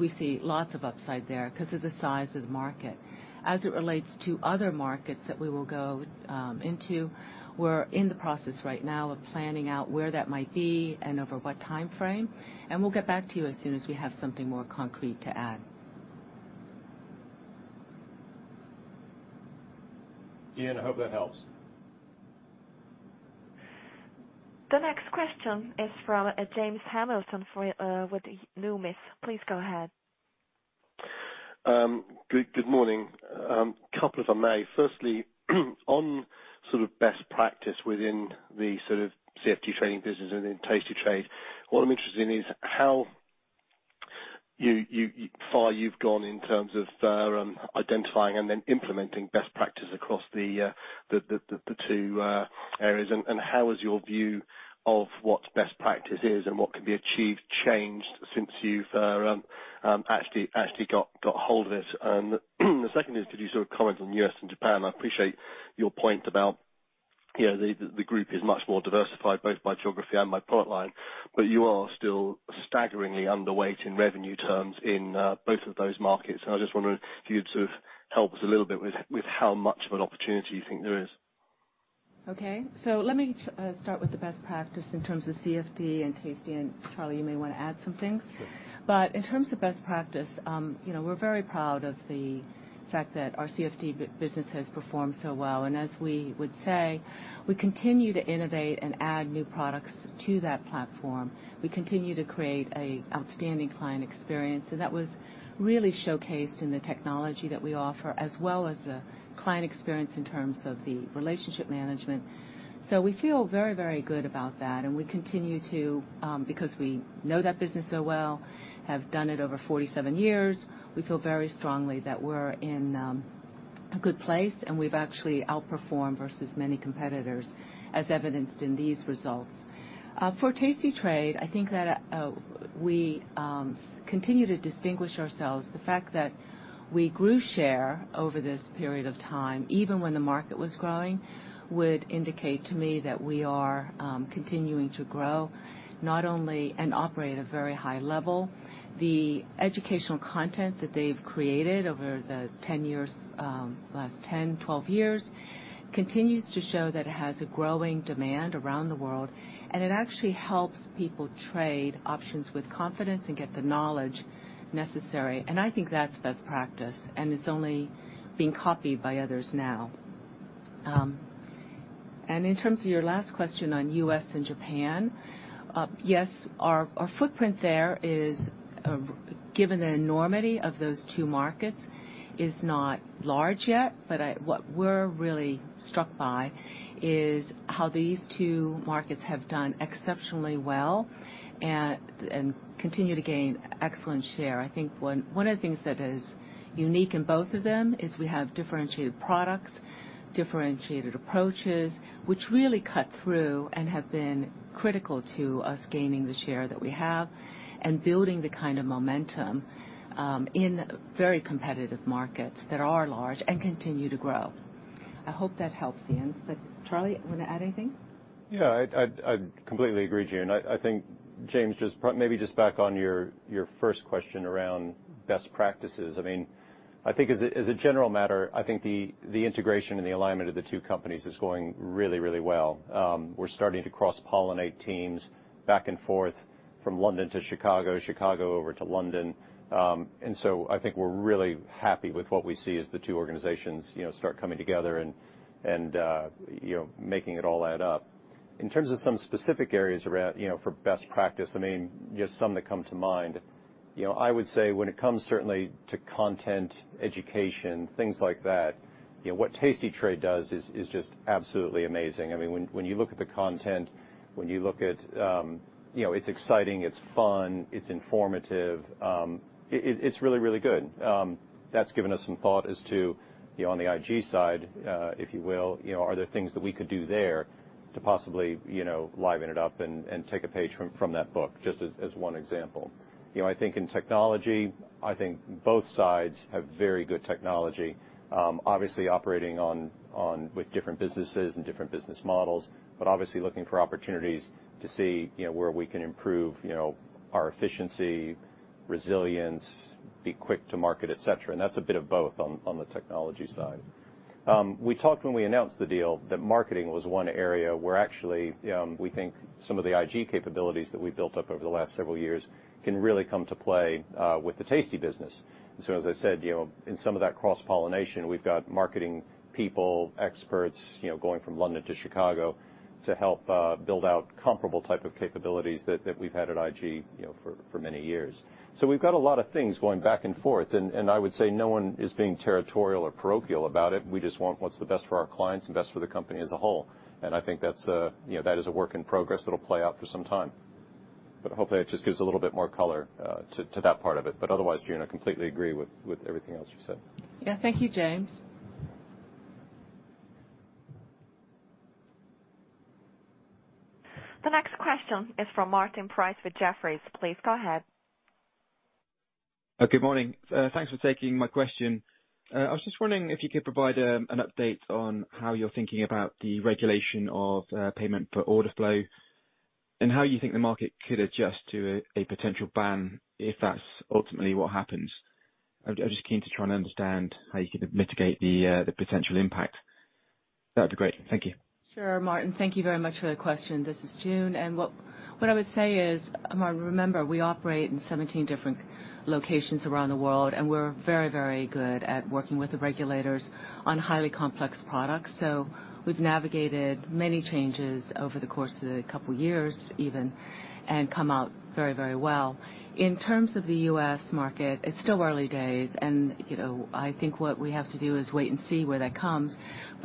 We see lots of upside there 'cause of the size of the market. As it relates to other markets that we will go into, we're in the process right now of planning out where that might be and over what timeframe, and we'll get back to you as soon as we have something more concrete to add. Ian, I hope that helps. The next question is from James Hamilton with Numis. Please go ahead. Good morning. Couple if I may. Firstly, on sort of best practice within the sort of CFD trading business and in tastytrade, what I'm interested in is how far you've gone in terms of identifying and then implementing best practice across the two areas. How has your view of what best practice is and what can be achieved changed since you've actually got hold of it? The second is could you sort of comment on U.S. and Japan? I appreciate your point about, you know, the group is much more diversified, both by geography and by product line, but you are still staggeringly underweight in revenue terms in both of those markets. I just wondered if you'd sort of help us a little bit with how much of an opportunity you think there is? Okay. Let me start with the best practice in terms of CFD and tasty, and Charlie, you may wanna add some things. Sure. In terms of best practice, you know, we're very proud of the fact that our CFD business has performed so well. As we would say, we continue to innovate and add new products to that platform. We continue to create an outstanding client experience, and that was really showcased in the technology that we offer, as well as the client experience in terms of the relationship management. We feel very, very good about that, and we continue to, because we know that business so well, have done it over 47 years, we feel very strongly that we're in a good place, and we've actually outperformed versus many competitors, as evidenced in these results. For tastytrade, I think that we continue to distinguish ourselves. The fact that we grew share over this period of time, even when the market was growing, would indicate to me that we are continuing to grow and operate at a very high level. The educational content that they've created over the 10 years, last 10, 12 years continues to show that it has a growing demand around the world, and it actually helps people trade options with confidence and get the knowledge necessary. I think that's best practice, and it's only being copied by others now. In terms of your last question on U.S. and Japan, yes, our footprint there is, given the enormity of those two markets, not large yet. What we're really struck by is how these two markets have done exceptionally well and continue to gain excellent share. I think one of the things that is unique in both of them is we have differentiated products, differentiated approaches, which really cut through and have been critical to us gaining the share that we have and building the kind of momentum in very competitive markets that are large and continue to grow. I hope that helps, Ian. Charlie, you wanna add anything? Yeah. I'd completely agree, June. I think, James, just maybe just back on your first question around best practices. I mean, I think as a general matter, I think the integration and the alignment of the two companies is going really well. We're starting to cross-pollinate teams back and forth from London to Chicago over to London. I think we're really happy with what we see as the two organizations, you know, start coming together and, you know, making it all add up. In terms of some specific areas around, you know, for best practice, I mean, just some that come to mind, you know, I would say when it comes certainly to content, education, things like that, you know, what tastytrade does is just absolutely amazing. I mean, when you look at the content, you know, it's exciting, it's fun, it's informative, it's really good. That's given us some thought as to, you know, on the IG side, if you will, you know, are there things that we could do there to possibly, you know, liven it up and take a page from that book, just as one example. You know, I think in technology, I think both sides have very good technology, obviously operating on with different businesses and different business models. Obviously looking for opportunities to see, you know, where we can improve, you know, our efficiency, resilience, be quick to market, etc.. That's a bit of both on the technology side. We talked when we announced the deal that marketing was one area where actually we think some of the IG capabilities that we built up over the last several years can really come to play with the tastytrade business. As I said, you know, in some of that cross-pollination, we've got marketing people, experts, you know, going from London to Chicago to help build out comparable type of capabilities that we've had at IG, you know, for many years. We've got a lot of things going back and forth. I would say no one is being territorial or parochial about it. We just want what's the best for our clients and best for the company as a whole. I think that's a, you know, that is a work in progress that'll play out for some time. Hopefully that just gives a little bit more color to that part of it. Otherwise, June, I completely agree with everything else you said. Yeah. Thank you, James. The next question is from Martin Price with Jefferies. Please go ahead. Good morning. Thanks for taking my question. I was just wondering if you could provide an update on how you're thinking about the regulation of payment for order flow, and how you think the market could adjust to a potential ban if that's ultimately what happens. I'm just keen to try and understand how you could mitigate the potential impact. That'd be great. Thank you. Sure, Martin. Thank you very much for the question. This is June. What I would say is, Martin, remember, we operate in 17 different locations around the world, and we're very, very good at working with the regulators on highly complex products. We've navigated many changes over the course of the couple years even, and come out very, very well. In terms of the U.S. market, it's still early days and, you know, I think what we have to do is wait and see where that comes.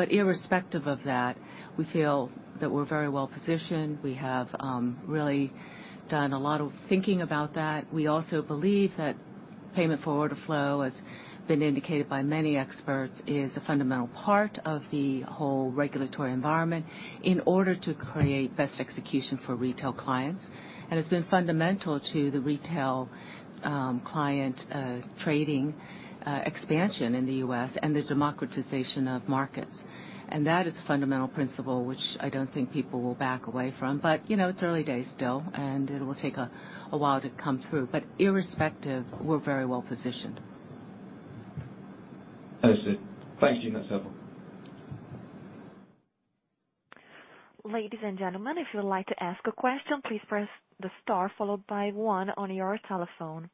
Irrespective of that, we feel that we're very well positioned. We have really done a lot of thinking about that. We also believe that payment for order flow, as has been indicated by many experts, is a fundamental part of the whole regulatory environment in order to create best execution for retail clients, and has been fundamental to the retail client trading expansion in the U.S. and the democratization of markets. That is a fundamental principle which I don't think people will back away from. You know, it's early days still, and it will take a while to come through. Irrespective, we're very well positioned. Understood. Thank you. That's helpful. Ladies and gentlemen, if you would like to ask a question, please press the star followed by one on your telephone.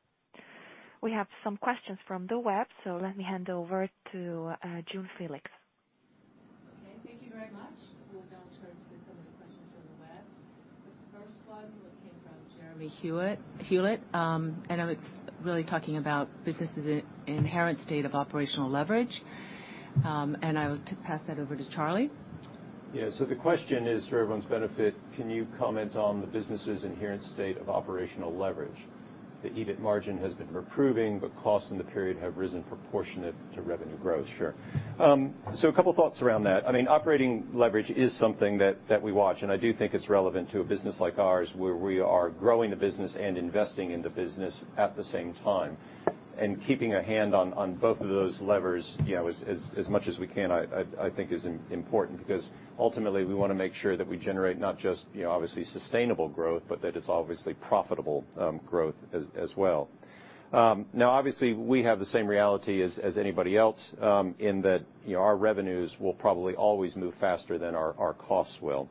We have some questions from the web, so let me hand over to June Felix. Okay. Thank you very much. We'll now turn to some of the questions from the web. The first one came from Jeremy Hellman. It's really talking about the business's inherent state of operational leverage. I'll pass that over to Charlie. The question is for everyone's benefit, can you comment on the business's inherent state of operational leverage? The EBIT margin has been improving, but costs in the period have risen proportionately to revenue growth. Sure. A couple thoughts around that. I mean, operating leverage is something that we watch, and I do think it's relevant to a business like ours, where we are growing the business and investing in the business at the same time. Keeping a hand on both of those levers, you know, as much as we can, I think is important, because ultimately we wanna make sure that we generate not just, you know, obviously sustainable growth, but that it's obviously profitable growth as well. Now obviously we have the same reality as anybody else, in that, you know, our revenues will probably always move faster than our costs will.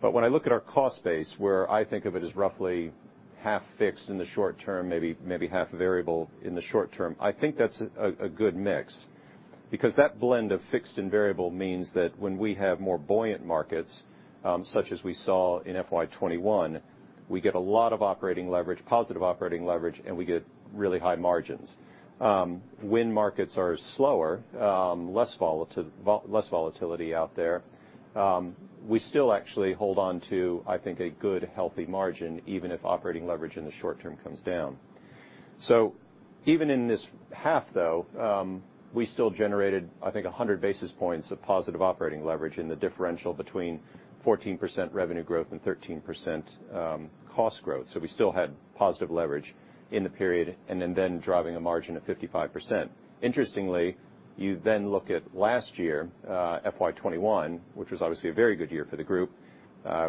When I look at our cost base, where I think of it as roughly half fixed in the short term, maybe half variable in the short term, I think that's a good mix because that blend of fixed and variable means that when we have more buoyant markets, such as we saw in FY 2021, we get a lot of operating leverage, positive operating leverage, and we get really high margins. When markets are slower, less volatility out there, we still actually hold on to, I think, a good, healthy margin, even if operating leverage in the short term comes down. Even in this half, though, we still generated, I think, 100 basis points of positive operating leverage in the differential between 14% revenue growth and 13% cost growth. We still had positive leverage in the period and then driving a margin of 55%. Interestingly, you then look at last year, FY 2021, which was obviously a very good year for the group,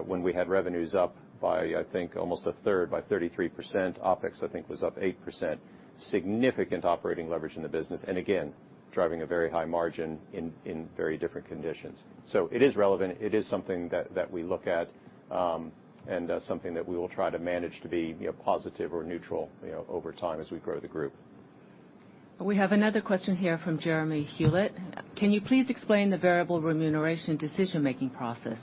when we had revenues up by, I think, almost 1/3 by 33%, OpEx, I think, was up 8%. Significant operating leverage in the business, and again, driving a very high margin in very different conditions. It is relevant. It is something that we look at, and something that we will try to manage to be, you know, positive or neutral, you know, over time as we grow the group. We have another question here from Jeremy Hewlett. Can you please explain the variable remuneration decision-making process?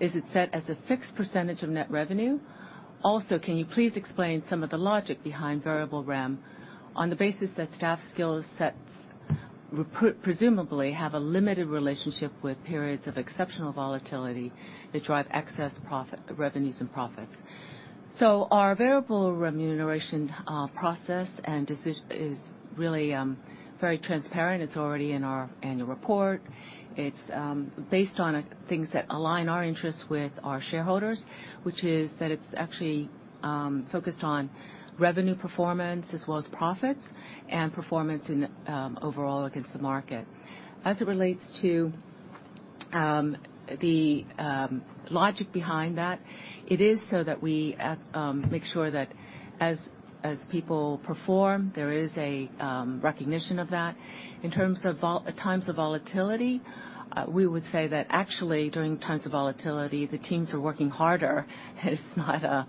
Is it set as a fixed percentage of net revenue? Also, can you please explain some of the logic behind variable REM on the basis that staff skill sets presumably have a limited relationship with periods of exceptional volatility that drive excess profit, revenues and profits. Our variable remuneration process and is really very transparent. It's already in our annual report. It's based on things that align our interests with our shareholders, which is that it's actually focused on revenue performance as well as profits and performance in overall against the market. As it relates to the logic behind that, it is so that we want to make sure that as people perform, there is a recognition of that. In terms of times of volatility, we would say that actually during times of volatility, the teams are working harder. It's not a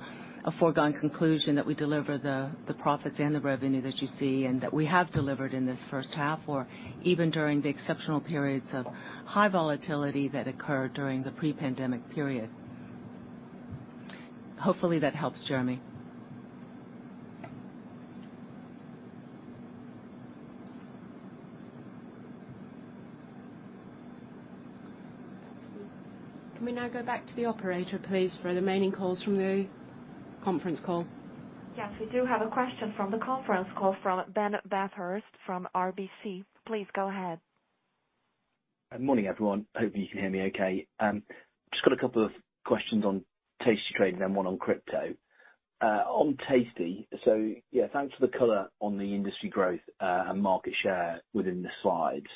foregone conclusion that we deliver the profits and the revenue that you see and that we have delivered in this first half or even during the exceptional periods of high volatility that occurred during the pre-pandemic period. Hopefully that helps, Jeremy. Can we now go back to the operator, please, for the remaining calls from the conference call? Yes, we do have a question from the conference call from Ben Bathurst from RBC. Please go ahead. Morning, everyone. Hopefully, you can hear me okay. Just got a couple of questions on tastytrade and one on crypto. On tasty. Thanks for the color on the industry growth and market share within the slides.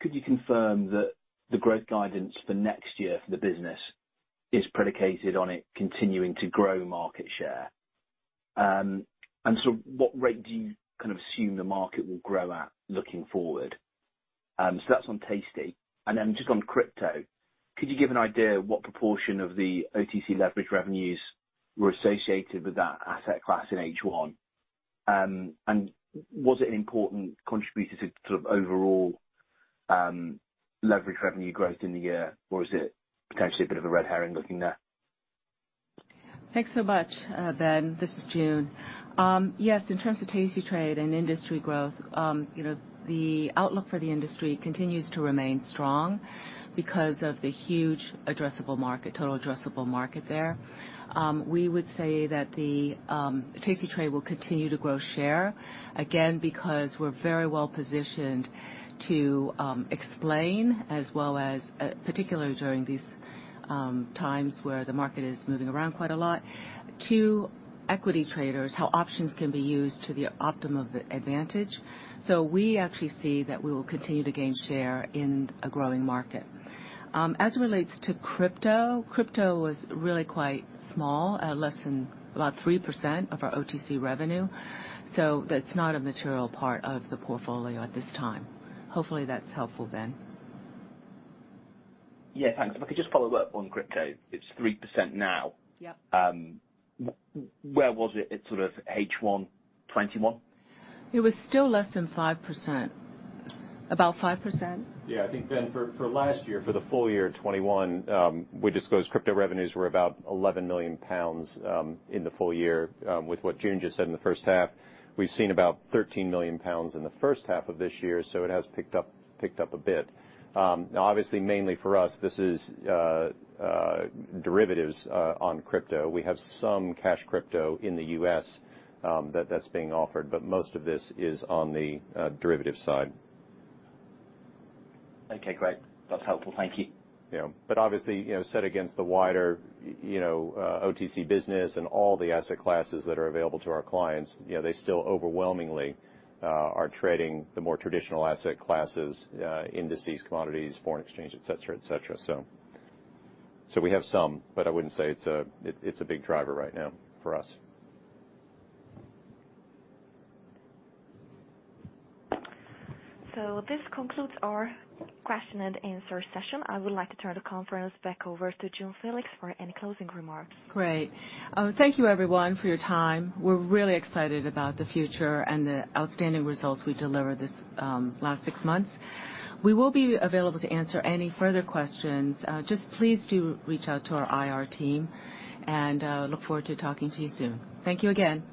Could you confirm that the growth guidance for next year for the business is predicated on it continuing to grow market share? And sort of what rate do you kind of assume the market will grow at looking forward? That's on tasty. Then just on crypto, could you give an idea of what proportion of the OTC leverage revenues were associated with that asset class in H1, and was it an important contributor to sort of overall leverage revenue growth in the year, or is it potentially a bit of a red herring looking there? Thanks so much, Ben. This is June. Yes, in terms of tastytrade and industry growth, you know, the outlook for the industry continues to remain strong because of the huge addressable market, total addressable market there. We would say that the, tastytrade will continue to grow share, again, because we're very well-positioned to, explain as well as, particularly during these, times where the market is moving around quite a lot, to equity traders, how options can be used to the optimum advantage. We actually see that we will continue to gain share in a growing market. As it relates to crypto was really quite small, less than about 3% of our OTC revenue. That's not a material part of the portfolio at this time. Hopefully that's helpful, Ben. Yeah, thanks. If I could just follow up on crypto. It's 3% now. Yep. Where was it at sort of H1 2021? It was still less than 5%. About 5%. Yeah. I think, Ben, for last year, the full year 2021, we disclosed crypto revenues were about 11 million pounds in the full year. With what June just said in the first half, we've seen about 13 million pounds in the first half of this year, so it has picked up a bit. Obviously, mainly for us, this is derivatives on crypto. We have some cash crypto in the U.S., that's being offered, but most of this is on the derivative side. Okay, great. That's helpful. Thank you. Yeah. Obviously, you know, set against the wider, you know, OTC business and all the asset classes that are available to our clients, you know, they still overwhelmingly are trading the more traditional asset classes, indices, commodities, foreign exchange, etc., etc.. We have some, but I wouldn't say it's a big driver right now for us. This concludes our question and answer session. I would like to turn the conference back over to June Felix for any closing remarks. Great. Thank you everyone for your time. We're really excited about the future and the outstanding results we delivered the last six months. We will be available to answer any further questions. Just please do reach out to our Investor Relations team, and look forward to talking to you soon. Thank you again.